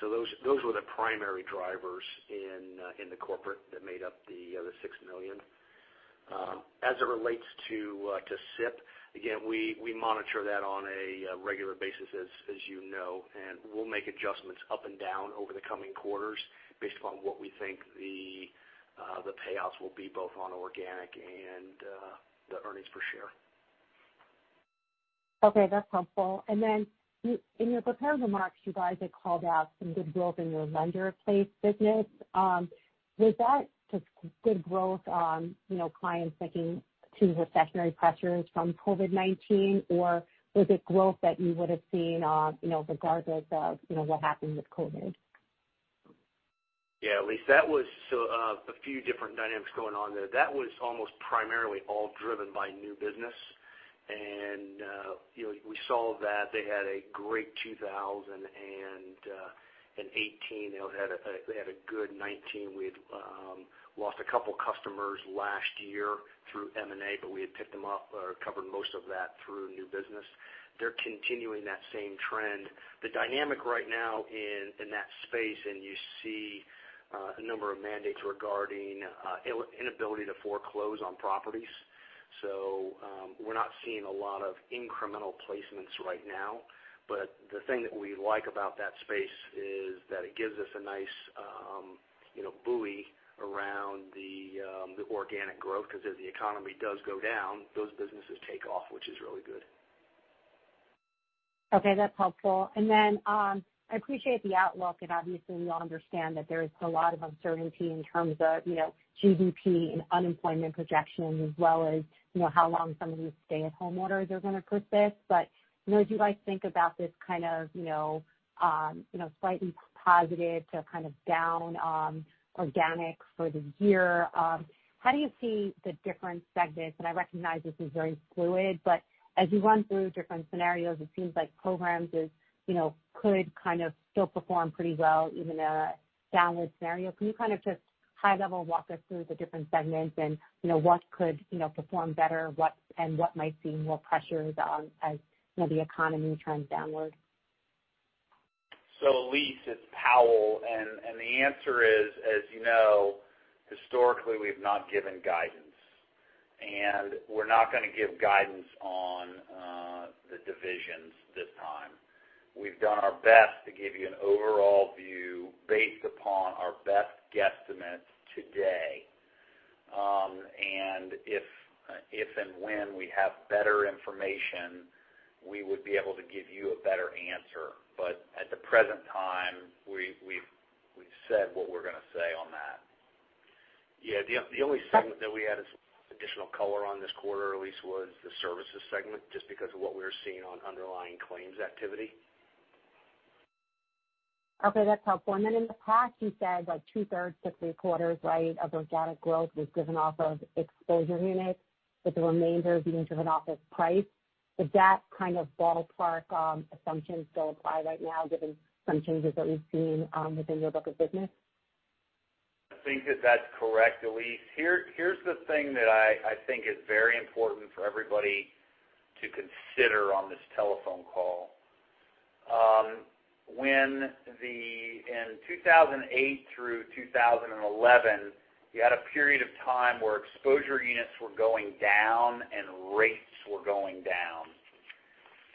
Those were the primary drivers in the corporate that made up the $6 million. As it relates to SIP, again, we monitor that on a regular basis, as you know, and we'll make adjustments up and down over the coming quarters based upon what we think the payouts will be, both on organic and the earnings per share. Okay, that's helpful. In your prepared remarks, you guys had called out some good growth in your lender-placed business. Was that just good growth on clients sticking to recessionary pressures from COVID-19? Was it growth that you would've seen regardless of what happened with COVID? Yeah, Elyse, that was a few different dynamics going on there. That was almost primarily all driven by new business. We saw that they had a great 2000 and an 2018. They had a good 2019. We had lost a couple customers last year through M&A, but we had picked them up or covered most of that through new business. They're continuing that same trend. The dynamic right now in that space, and you see a number of mandates regarding inability to foreclose on properties. We're not seeing a lot of incremental placements right now. The thing that we like about that space is that it gives us a nice buoy around the organic growth, because as the economy does go down, those businesses take off, which is really good. Okay, that's helpful. I appreciate the outlook, and obviously we all understand that there is a lot of uncertainty in terms of GDP and unemployment projections, as well as how long some of these stay-at-home orders are going to persist. As you guys think about this kind of slightly positive to kind of down, organic for the year, how do you see the different segments? I recognize this is very fluid, but as you run through different scenarios, it seems like programs could kind of still perform pretty well even in a downward scenario. Can you kind of just high level walk us through the different segments and what could perform better, and what might see more pressures as the economy turns downward? Elyse, it's Powell, and the answer is, as you know, historically we've not given guidance. We're not going to give guidance on the divisions this time. We've done our best to give you an overall view based upon our best guesstimates today. If and when we have better information, we would be able to give you a better answer. At the present time, we've said what we're going to say on that. Yeah, the only segment that we had additional color on this quarter, Elyse, was the services segment, just because of what we were seeing on underlying claims activity. Okay, that's helpful. In the past you said like two-thirds to three-quarters of organic growth was driven off of exposure units, with the remainder being driven off of price. Would that kind of ballpark assumption still apply right now given some changes that we've seen within your book of business? I think that that's correct, Elyse. Here's the thing that I think is very important for everybody to consider on this telephone call. In 2008 through 2011, you had a period of time where exposure units were going down and rates were going down.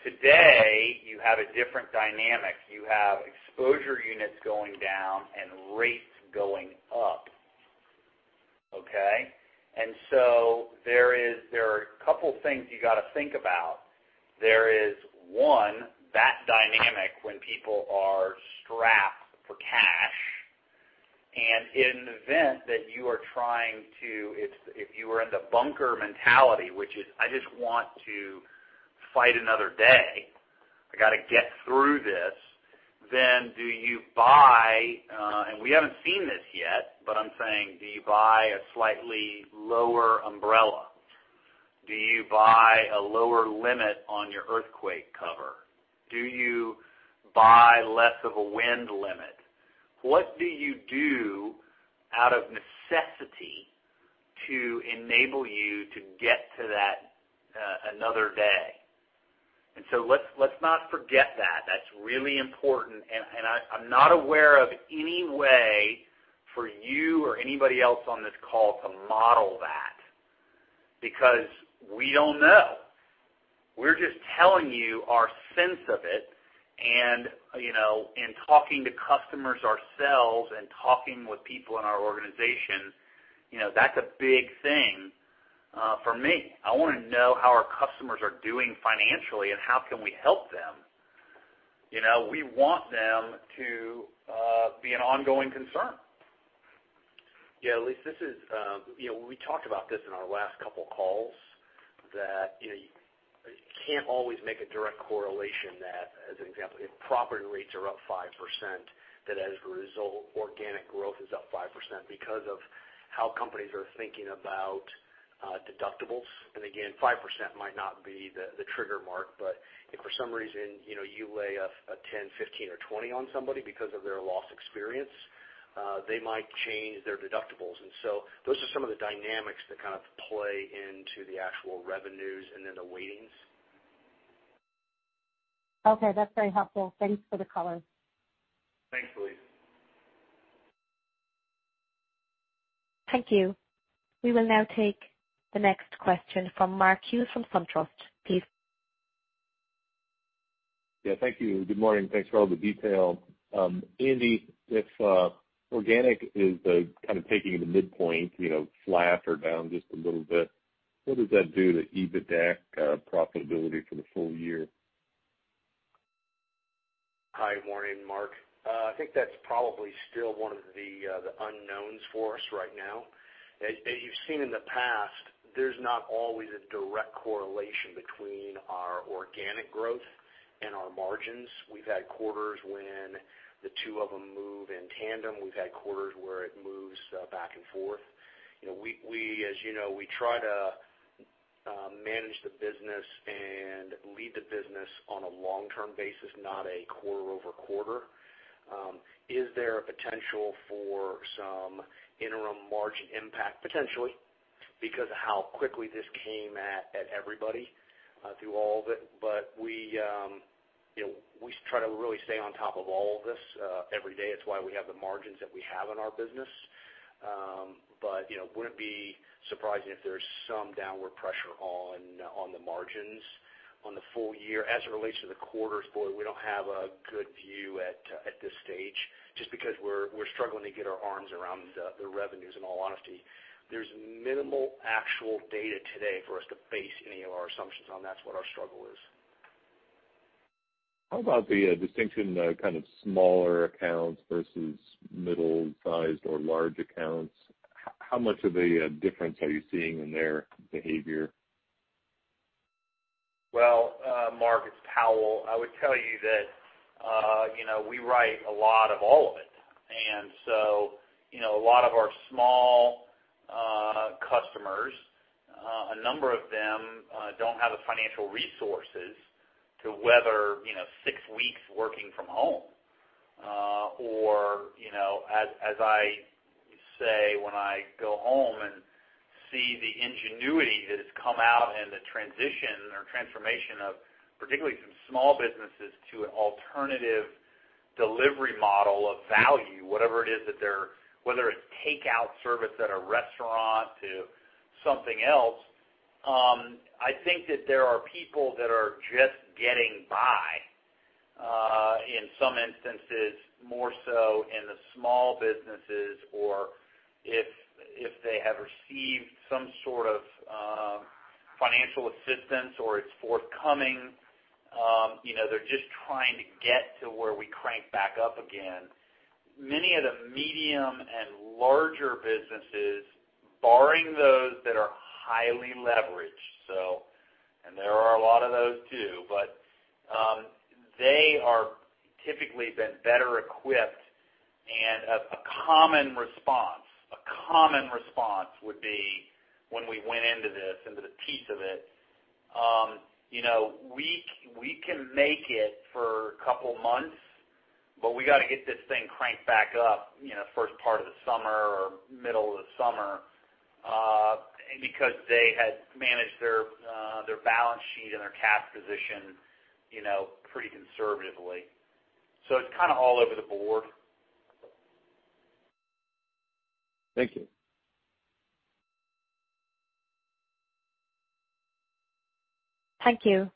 Today, you have a different dynamic. You have exposure units going down and rates going up. Okay. There are a couple of things you got to think about. There is one, that dynamic when people are strapped for cash. In an event that you are trying to, if you are in the bunker mentality, which is, I just want to fight another day, I got to get through this, then do you buy, and we haven't seen this yet, but I'm saying, do you buy a slightly lower umbrella? Do you buy a lower limit on your earthquake cover? Do you buy less of a wind limit? What do you do out of necessity to enable you to get to that another day? Let's not forget that. That's really important, and I'm not aware of any way for you or anybody else on this call to model that. We don't know. We're just telling you our sense of it. Talking to customers ourselves and talking with people in our organization, that's a big thing for me. I want to know how our customers are doing financially and how can we help them. We want them to be an ongoing concern. Yeah, Elyse, we talked about this in our last couple of calls, that you can't always make a direct correlation that, as an example, if property rates are up 5%, that as a result, organic growth is up 5% because of how companies are thinking about deductibles. Again, 5% might not be the trigger mark, but if for some reason, you lay a 10, 15 or 20 on somebody because of their loss experience, they might change their deductibles. Those are some of the dynamics that kind of play into the actual revenues and then the weightings. Okay, that's very helpful. Thanks for the color. Thanks, Elyse. Thank you. We will now take the next question from Mark Hughes from SunTrust, please. Thank you. Good morning. Thanks for all the detail. Andy, if organic is kind of taking the midpoint, flat or down just a little bit, what does that do to EBITDA profitability for the full year? Hi. Morning, Mark. I think that's probably still one of the unknowns for us right now. As you've seen in the past, there's not always a direct correlation between our organic growth and our margins. We've had quarters when the two of them move in tandem. We've had quarters where it moves back and forth. As you know, we try to manage the business and lead the business on a long-term basis, not a quarter-over-quarter. Is there a potential for some interim margin impact? Potentially, because of how quickly this came at everybody through all of it. We try to really stay on top of all of this every day. It's why we have the margins that we have in our business. Wouldn't be surprising if there's some downward pressure on the margins on the full year. As it relates to the quarters, boy, we don't have a good view at this stage just because we're struggling to get our arms around the revenues, in all honesty. There's minimal actual data today for us to base any of our assumptions on. That's what our struggle is. How about the distinction, kind of smaller accounts versus middle-sized or large accounts? How much of a difference are you seeing in their behavior? Well, Mark, it's Powell. I would tell you that we write a lot of all of it. A lot of our small customers, a number of them don't have the financial resources to weather 6 weeks working from home. As I say when I go home and see the ingenuity that has come out and the transition or transformation of particularly some small businesses to an alternative delivery model of value, whatever it is, whether it's takeout service at a restaurant to something else. I think that there are people that are just getting by, in some instances, more so in the small businesses, or if they have received some sort of financial assistance or it's forthcoming, they're just trying to get to where we crank back up again. Many of the medium and larger businesses, barring those that are highly leveraged, and there are a lot of those too, but they are typically been better equipped. A common response would be when we went into this, into the teeth of it, we can make it for a couple of months, but we got to get this thing cranked back up first part of the summer or middle of the summer, because they had managed their balance sheet and their cash position pretty conservatively. It's kind of all over the board. Thank you. Thank you.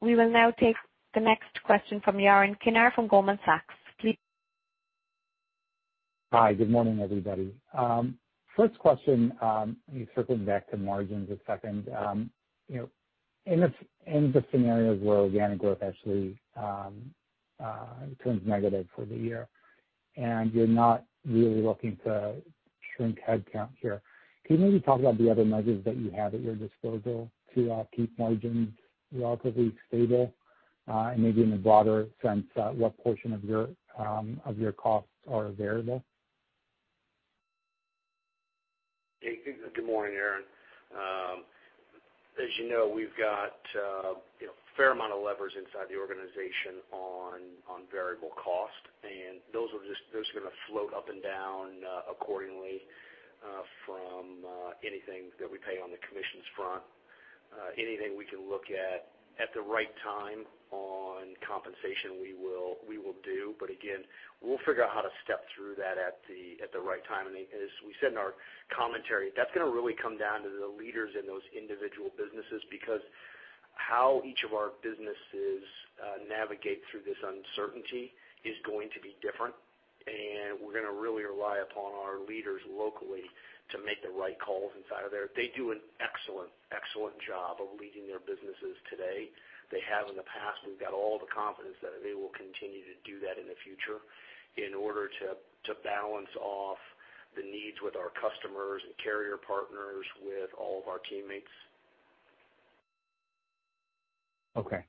We will now take the next question from Yaron Kinar from Goldman Sachs. Please. Hi. Good morning, everybody. First question, circling back to margins a second. In the scenarios where organic growth actually turns negative for the year, and you're not really looking to shrink headcount here, can you maybe talk about the other levers that you have at your disposal to keep margins relatively stable? Maybe in a broader sense, what portion of your costs are variable? Good morning, Yaron. As you know, we've got a fair amount of levers inside the organization on variable cost, and those are going to float up and down accordingly, from anything that we pay on the commissions front. Anything we can look at at the right time on compensation, we will do. Again, we'll figure out how to step through that at the right time. As we said in our commentary, that's going to really come down to the leaders in those individual businesses, because how each of our businesses navigate through this uncertainty is going to be different, and we're going to really rely upon our leaders locally to make the right calls inside of there. They do an excellent job of leading their businesses today. They have in the past, and we've got all the confidence that they will continue to do that in the future in order to balance off the needs with our customers and carrier partners, with all of our teammates. Okay.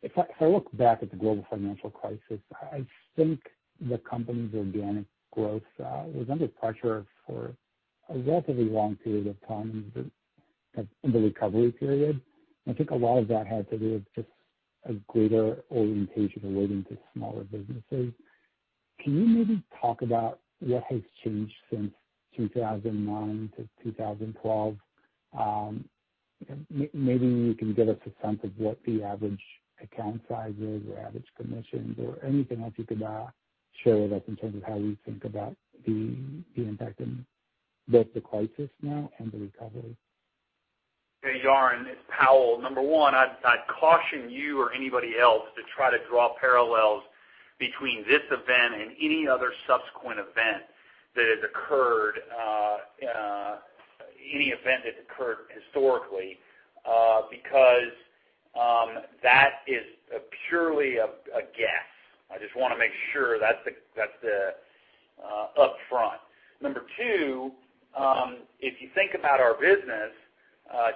If I look back at the global financial crisis, I think the company's organic growth was under pressure for a relatively long period of time in the recovery period. I think a lot of that had to do with just a greater orientation relating to smaller businesses. Can you maybe talk about what has changed since 2009 to 2012? Maybe you can give us a sense of what the average account size is, or average commissions, or anything else you could share with us in terms of how you think about the impact in both the crisis now and the recovery. Hey, Yaron, it's Powell. Number one, I'd caution you or anybody else to try to draw parallels between this event and any other subsequent event that has occurred, any event that occurred historically, because that is purely a guess. I just want to make sure that's upfront. Number two, if you think about our business,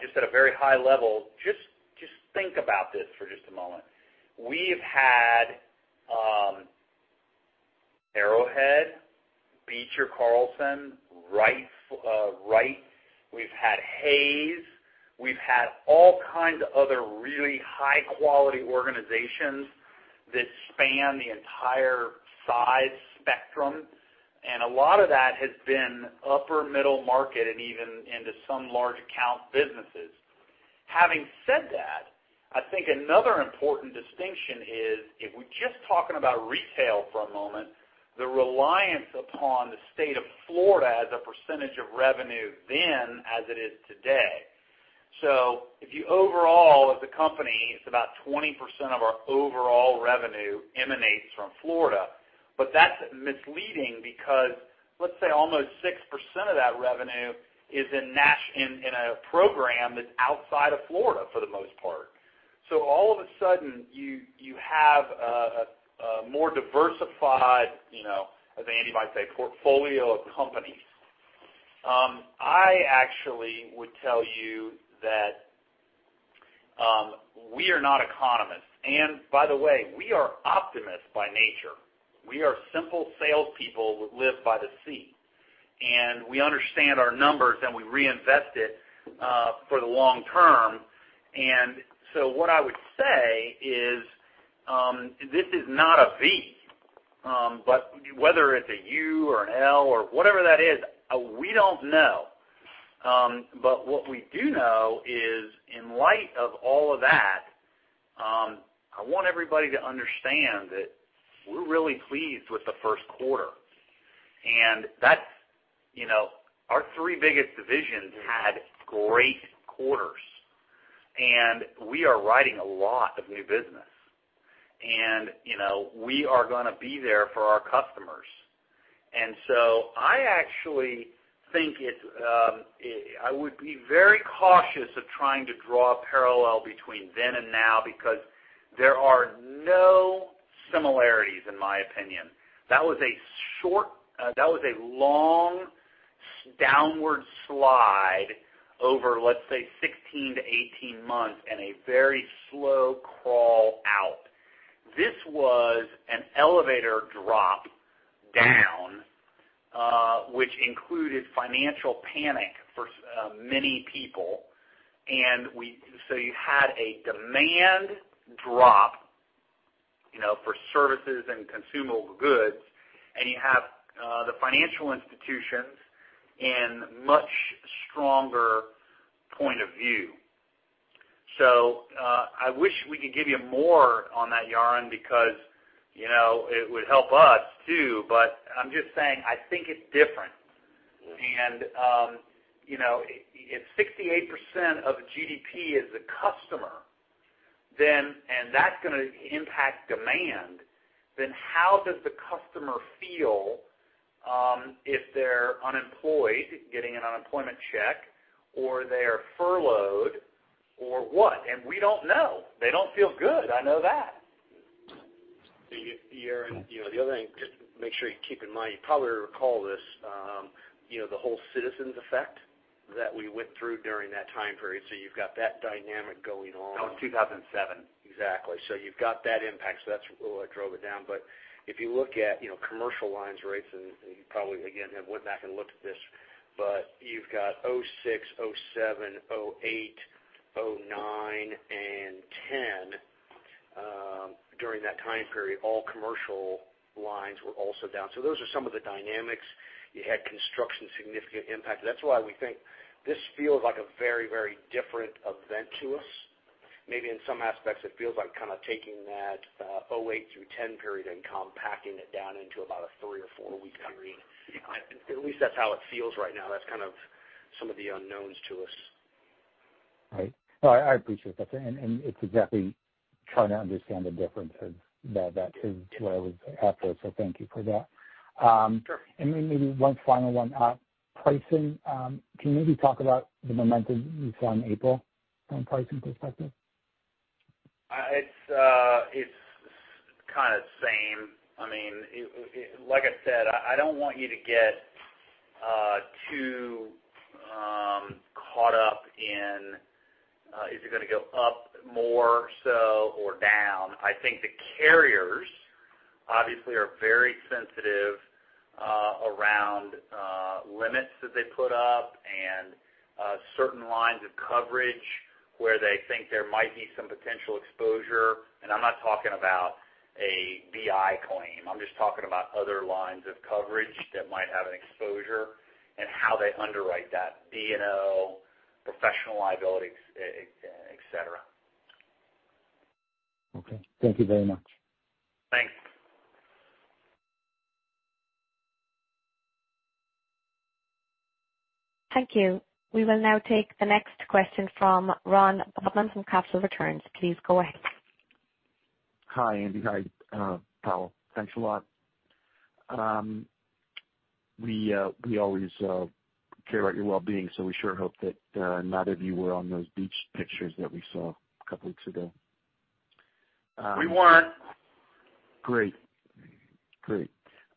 just at a very high level, just think about this for just a moment. We've had Arrowhead, Beecher Carlson, Wright. We've had Hays. We've had all kinds of other really high-quality organizations that span the entire size spectrum, and a lot of that has been upper middle market and even into some large account businesses. Having said that, I think another important distinction is, if we're just talking about retail for a moment, the reliance upon the state of Florida as a percentage of revenue then as it is today. If you overall as a company, it's about 20% of our overall revenue emanates from Florida. That's misleading because, let's say, almost 6% of that revenue is in a program that's outside of Florida for the most part. All of a sudden, you have a more diversified, as Andy might say, portfolio of companies. I actually would tell you that we are not economists. By the way, we are optimists by nature. We are simple salespeople who live by the sea, and we understand our numbers, and we reinvest it for the long term. What I would say is, this is not a V, whether it's a U or an L or whatever that is, we don't know. What we do know is, in light of all of that, I want everybody to understand that we're really pleased with the first quarter. Our three biggest divisions had great quarters, and we are writing a lot of new business. We are going to be there for our customers. I actually think I would be very cautious of trying to draw a parallel between then and now because there are no similarities, in my opinion. That was a long downward slide over, let's say, 16 to 18 months and a very slow crawl out. This was an elevator drop down, which included financial panic for many people. You had a demand drop for services and consumable goods, and you have the financial institutions in much stronger point of view. I wish we could give you more on that, Yaron, because it would help us too. I'm just saying, I think it's different. If 68% of GDP is a customer, and that's going to impact demand, then how does the customer feel if they're unemployed, getting an unemployment check, or they're furloughed or what? We don't know. They don't feel good, I know that. Yaron, the other thing, just make sure you keep in mind, you probably recall this, the whole Citizens effect that we went through during that time period. You've got that dynamic going on. That was 2007. Exactly. You've got that impact, so that's what drove it down. If you look at commercial lines rates, and you probably, again, have went back and looked at this, but you've got 2006, 2007, 2008, 2009, and 2010. During that time period, all commercial lines were also down. Those are some of the dynamics. You had construction, significant impact. That's why we think this feels like a very different event to us. Maybe in some aspects, it feels like kind of taking that 2008 through 2010 period and compacting it down into about a three or four-week period. At least that's how it feels right now. That's kind of some of the unknowns to us. Right. No, I appreciate that. It's exactly trying to understand the difference of that too, to what I was after. Thank you for that. Sure. Maybe one final one. Pricing. Can you maybe talk about the momentum you saw in April from a pricing perspective? It's kind of the same. Like I said, I don't want you to get too caught up in, is it going to go up more so or down? I think the carriers obviously are very sensitive around limits that they put up and certain lines of coverage where they think there might be some potential exposure. I'm not talking about a BI claim. I'm just talking about other lines of coverage that might have an exposure and how they underwrite that. D&O, professional liability, et cetera. Okay. Thank you very much. Thanks. Thank you. We will now take the next question from Ron Bobman from Capital Returns. Please go ahead. Hi, Andy. Hi, Powell. Thanks a lot. We always care about your well-being, so we sure hope that none of you were on those beach pictures that we saw a couple weeks ago. We weren't. Great.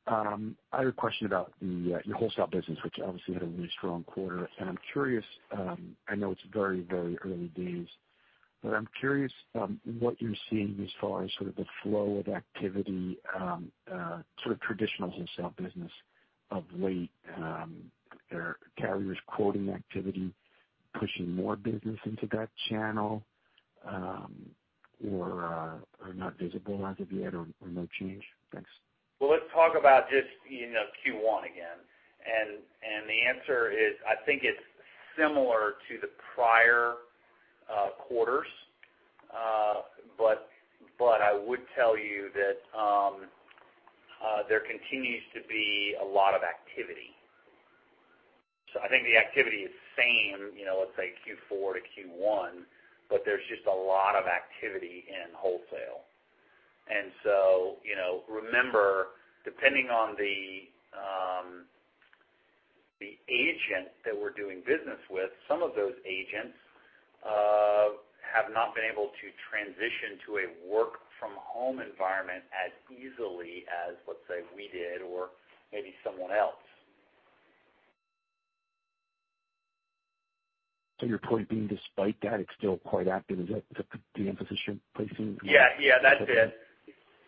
I have a question about your wholesale business, which obviously had a really strong quarter. I know it's very early days, but I'm curious what you're seeing as far as sort of the flow of activity, sort of traditional wholesale business of late. Are carriers quoting activity, pushing more business into that channel, or not visible as of yet or no change? Thanks. Well, let's talk about just Q1 again, and the answer is, I think it's similar to the prior quarters. I would tell you that there continues to be a lot of activity. I think the activity is same, let's say Q4 to Q1, but there's just a lot of activity in wholesale. Remember, depending on the agent that we're doing business with, some of those agents have not been able to transition to a work-from-home environment as easily as, let's say, we did or maybe someone else. Your point being, despite that, it's still quite active, is that the emphasis you're placing? Yeah. That's it.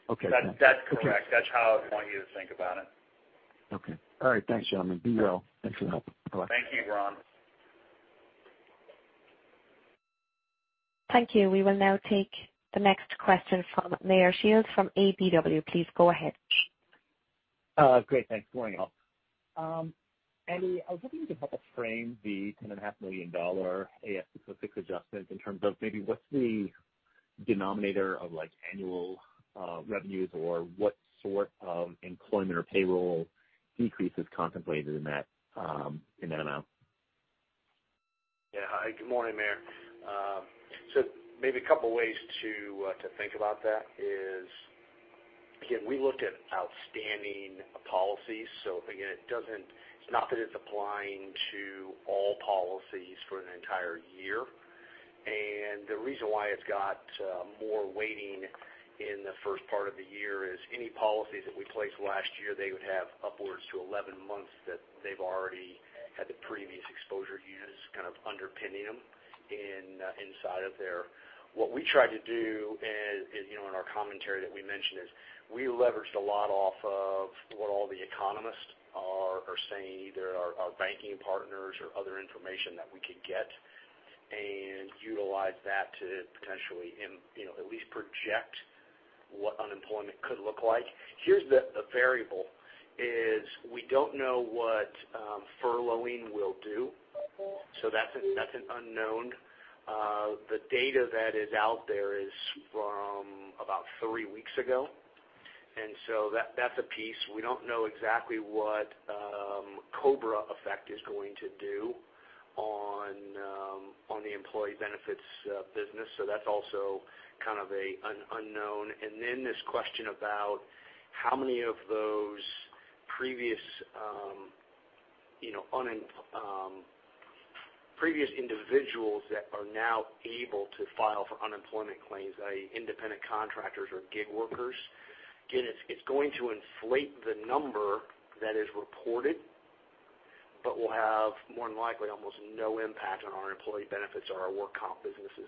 Okay. That's correct. That's how I want you to think about it. Okay. All right. Thanks, gentlemen. Be well. Thanks for your help. Goodbye. Thank you, Ron. Thank you. We will now take the next question from Meyer Shields from KBW. Please go ahead. Great. Thanks. Good morning, all. Andy, I was wondering if you could help us frame the $10.5 million ASC 606 adjustment in terms of maybe what's the denominator of annual revenues or what sort of employment or payroll decrease is contemplated in that amount? Yeah. Hi, good morning, Meyer. Maybe a couple ways to think about that is, again, we looked at outstanding policies. Again, it's not that it's applying to all policies for an entire year. The reason why it's got more weighting in the first part of the year is any policies that we placed last year, they would have upwards to 11 months that they've already had the previous exposure years kind of underpinning them inside of there. What we tried to do is, in our commentary that we mentioned is, we leveraged a lot off of what all the economists are saying, either our banking partners or other information that we could get, and utilized that to potentially at least project what unemployment could look like. Here's the variable, is we don't know what furloughing will do. That's an unknown. The data that is out there is from about three weeks ago, that's a piece. We don't know exactly what COBRA effect is going to do on the employee benefits business, that's also kind of an unknown. This question about how many of those previous individuals that are now able to file for unemployment claims, i.e., independent contractors or gig workers. Again, it's going to inflate the number that is reported, will have more than likely almost no impact on our employee benefits or our work comp businesses.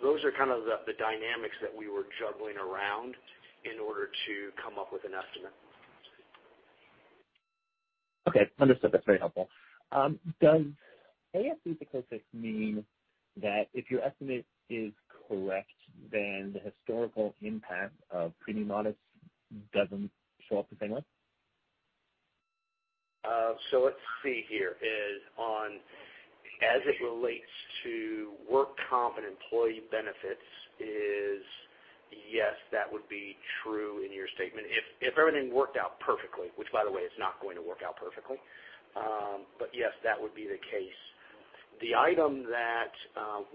Those are kind of the dynamics that we were juggling around in order to come up with an estimate. Okay. Understood. That's very helpful. Does ASC 606 mean that if your estimate is correct, then the historical impact of pretty modest doesn't show up the same way? Let's see here. As it relates to work comp and employee benefits is, yes, that would be true in your statement. If everything worked out perfectly, which by the way, it's not going to work out perfectly. Yes, that would be the case. The item that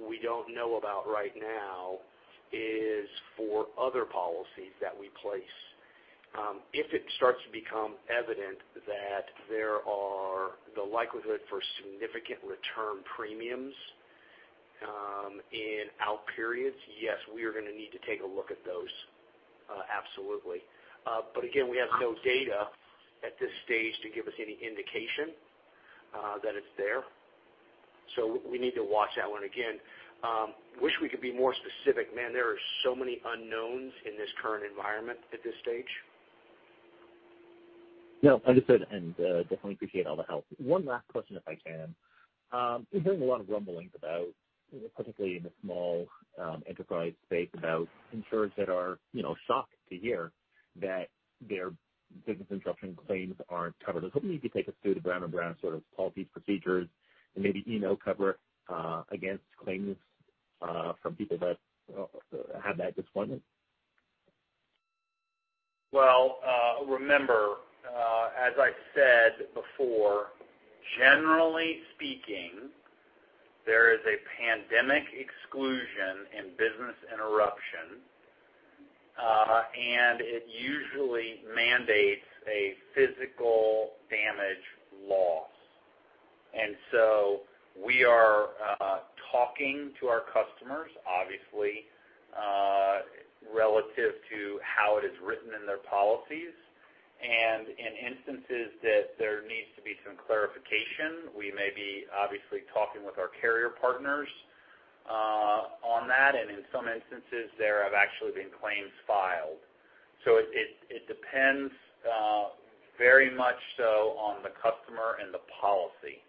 we don't know about right now is for other policies that we place. If it starts to become evident that there are the likelihood for significant return premiums in out periods, yes, we are going to need to take a look at those. Absolutely. Again, we have no data at this stage to give us any indication that it's there. We need to watch that one. Again, wish we could be more specific. Man, there are so many unknowns in this current environment at this stage. No, understood, and definitely appreciate all the help. One last question, if I can. We're hearing a lot of rumblings about, particularly in the small enterprise space, about insurers that are shocked to hear that their business interruption claims aren't covered. I was hoping you could take us through the Brown & Brown sort of policies, procedures, and maybe email cover against claims from people that have that disappointment. Well, remember, as I said before, generally speaking, there is a pandemic exclusion in business interruption. It usually mandates a physical damage loss. We are talking to our customers, obviously, relative to how it is written in their policies. In instances that there needs to be some clarification, we may be obviously talking with our carrier partners on that, and in some instances there have actually been claims filed. It depends very much so on the customer and the policy.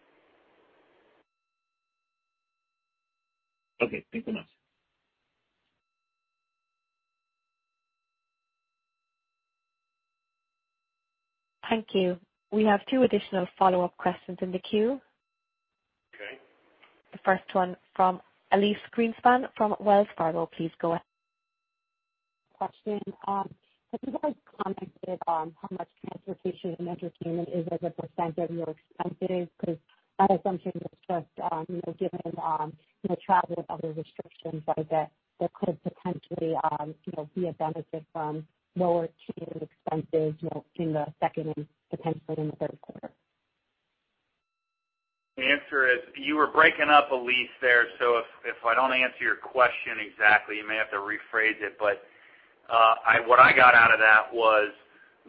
Okay, thank you much. Thank you. We have two additional follow-up questions in the queue. Okay. The first one from Elyse Greenspan from Wells Fargo. Please go ahead. Question. Have you guys commented on how much transportation and entertainment is as a percent of your expenses? My assumption was just, given travel and other restrictions, that could potentially be a benefit from lower T&E expenses in the second and potentially in the third quarter. The answer is You were breaking up, Elyse, there. If I don't answer your question exactly, you may have to rephrase it. What I got out of that was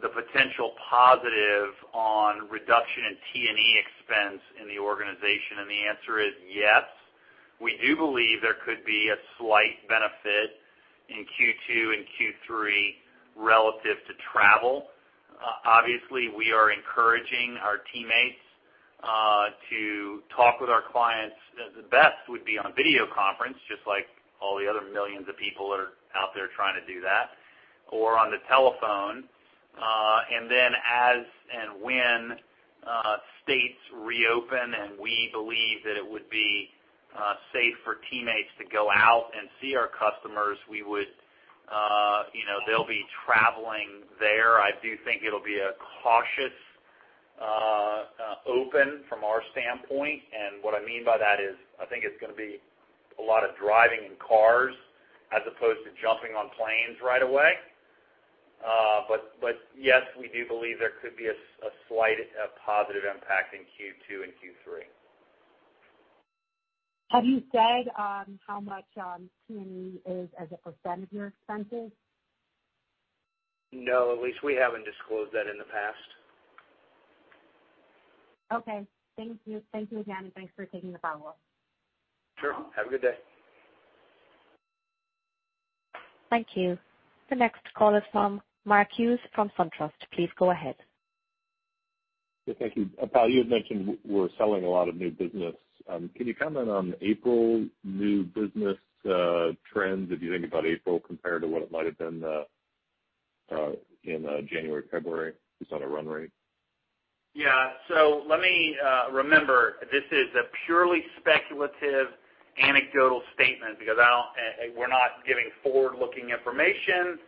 the potential positive on reduction in T&E expense in the organization. The answer is yes. We do believe there could be a slight benefit in Q2 and Q3 relative to travel. Obviously, we are encouraging our teammates to talk with our clients. The best would be on a video conference, just like all the other millions of people that are out there trying to do that, or on the telephone. Then as and when states reopen and we believe that it would be safe for teammates to go out and see our customers, they'll be traveling there. I do think it'll be a cautious open from our standpoint. What I mean by that is, I think it's going to be a lot of driving in cars as opposed to jumping on planes right away. Yes, we do believe there could be a slight positive impact in Q2 and Q3. Have you said how much T&E is as a percent of your expenses? No, Elyse, we haven't disclosed that in the past. Okay. Thank you. Thank you again. Thanks for taking the follow-up. Sure. Have a good day. Thank you. The next caller from Mark Hughes from SunTrust. Please go ahead. Yeah, thank you. Powell, you had mentioned we're selling a lot of new business. Can you comment on April new business trends, if you think about April compared to what it might have been in January, February, just on a run rate? Let me Remember, this is a purely speculative, anecdotal statement because we're not giving forward-looking information.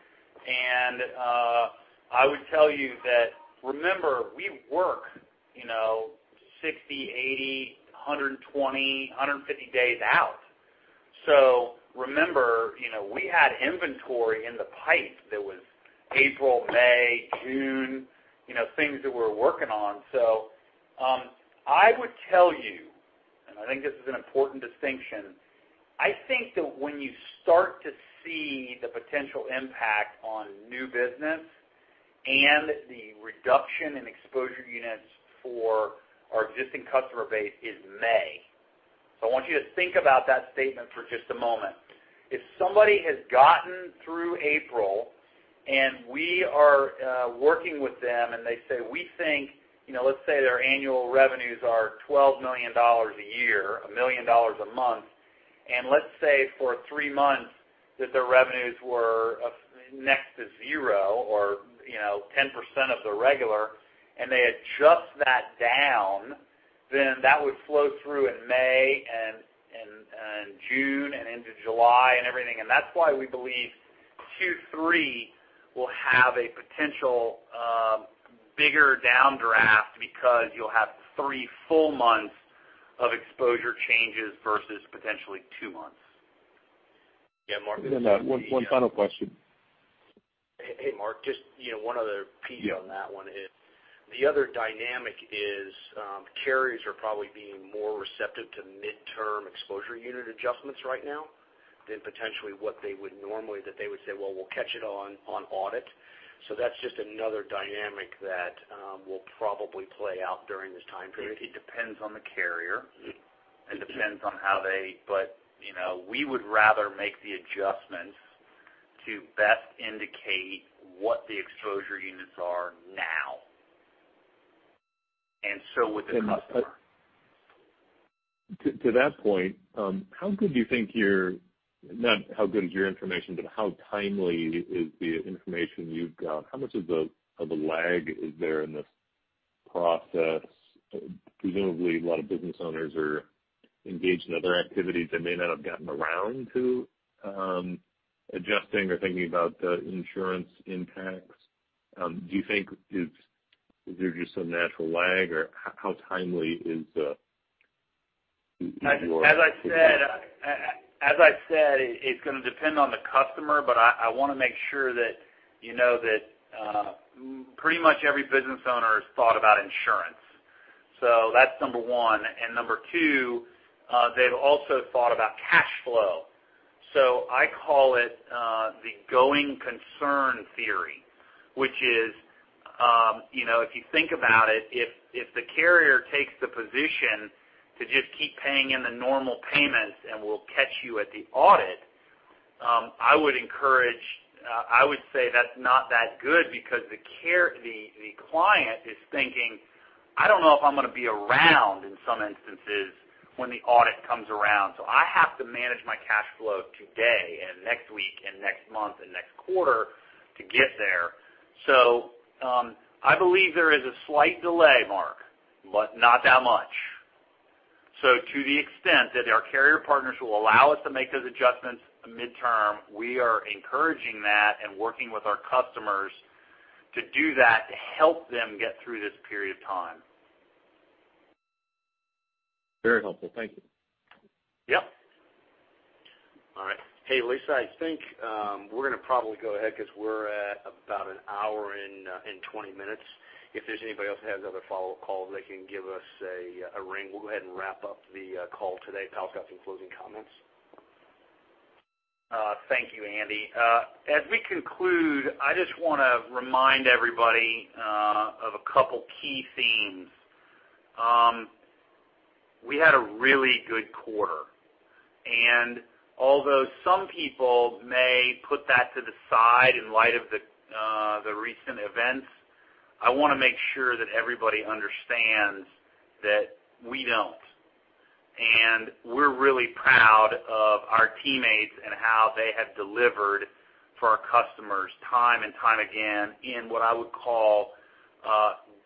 I would tell you that, remember, we work 60, 80, 120, 150 days out. Remember, we had inventory in the pipe that was April, May, June, things that we're working on. I would tell you, and I think this is an important distinction, I think that when you start to see the potential impact on new business and the reduction in exposure units for our existing customer base is May. I want you to think about that statement for just a moment. If somebody has gotten through April and we are working with them and they say, we think, let's say their annual revenues are $12 million a year, a million dollars a month. Let's say for three months that their revenues were next to zero or 10% of the regular, and they adjust that down, then that would flow through in May and June and into July and everything. That's why we believe Q3 will have a potential bigger downdraft because you'll have three full months of exposure changes versus potentially two months. Yeah, Mark. One final question. Hey, Mark, just one other piece on that one is the other dynamic is, carriers are probably being more receptive to midterm exposure unit adjustments right now than potentially what they would normally that they would say, "Well, we'll catch it on audit." That's just another dynamic that will probably play out during this time period. It depends on the carrier. We would rather make the adjustments to best indicate what the exposure units are now. So would the customer. To that point, how good do you think your Not how good is your information, but how timely is the information you've got? How much of a lag is there in this process? Presumably, a lot of business owners are engaged in other activities that may not have gotten around to adjusting or thinking about the insurance impacts. Do you think, is there just some natural lag, or how timely is your- As I said, it's going to depend on the customer, but I want to make sure that you know that pretty much every business owner has thought about insurance. That's number one. Number two, they've also thought about cash flow. I call it the going concern theory, which is, if you think about it, if the carrier takes the position to just keep paying in the normal payments and we'll catch you at the audit, I would say that's not that good because the client is thinking, "I don't know if I'm going to be around in some instances when the audit comes around, so I have to manage my cash flow today and next week and next month and next quarter to get there." I believe there is a slight delay, Mark, but not that much. To the extent that our carrier partners will allow us to make those adjustments midterm, we are encouraging that and working with our customers to do that, to help them get through this period of time. Very helpful. Thank you. Yep. All right. Hey, Lisa, I think we're going to probably go ahead because we're at about an hour and 20 minutes. If there's anybody else that has other follow-up calls, they can give us a ring. We'll go ahead and wrap up the call today. Powell's got some closing comments. Thank you, Andy. As we conclude, I just want to remind everybody of a couple key themes. We had a really good quarter. Although some people may put that to the side in light of the recent events, I want to make sure that everybody understands that we don't. We're really proud of our teammates and how they have delivered for our customers time and time again in what I would call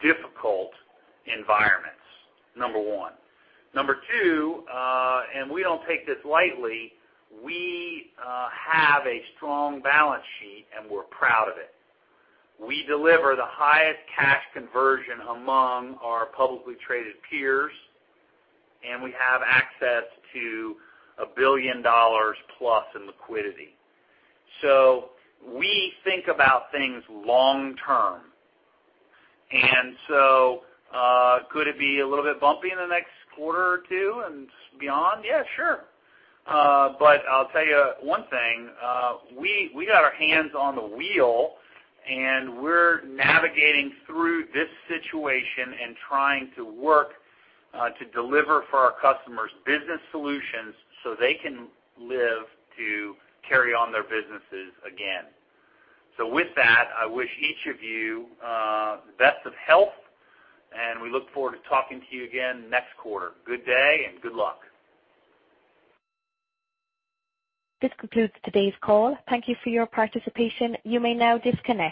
difficult environments, number one. Number two, we don't take this lightly, we have a strong balance sheet, and we're proud of it. We deliver the highest cash conversion among our publicly traded peers, and we have access to $1 billion plus in liquidity. We think about things long term. Could it be a little bit bumpy in the next quarter or two and beyond? Yeah, sure. I'll tell you one thing, we got our hands on the wheel, and we're navigating through this situation and trying to work to deliver for our customers business solutions so they can live to carry on their businesses again. With that, I wish each of you the best of health, and we look forward to talking to you again next quarter. Good day and good luck. This concludes today's call. Thank you for your participation. You may now disconnect.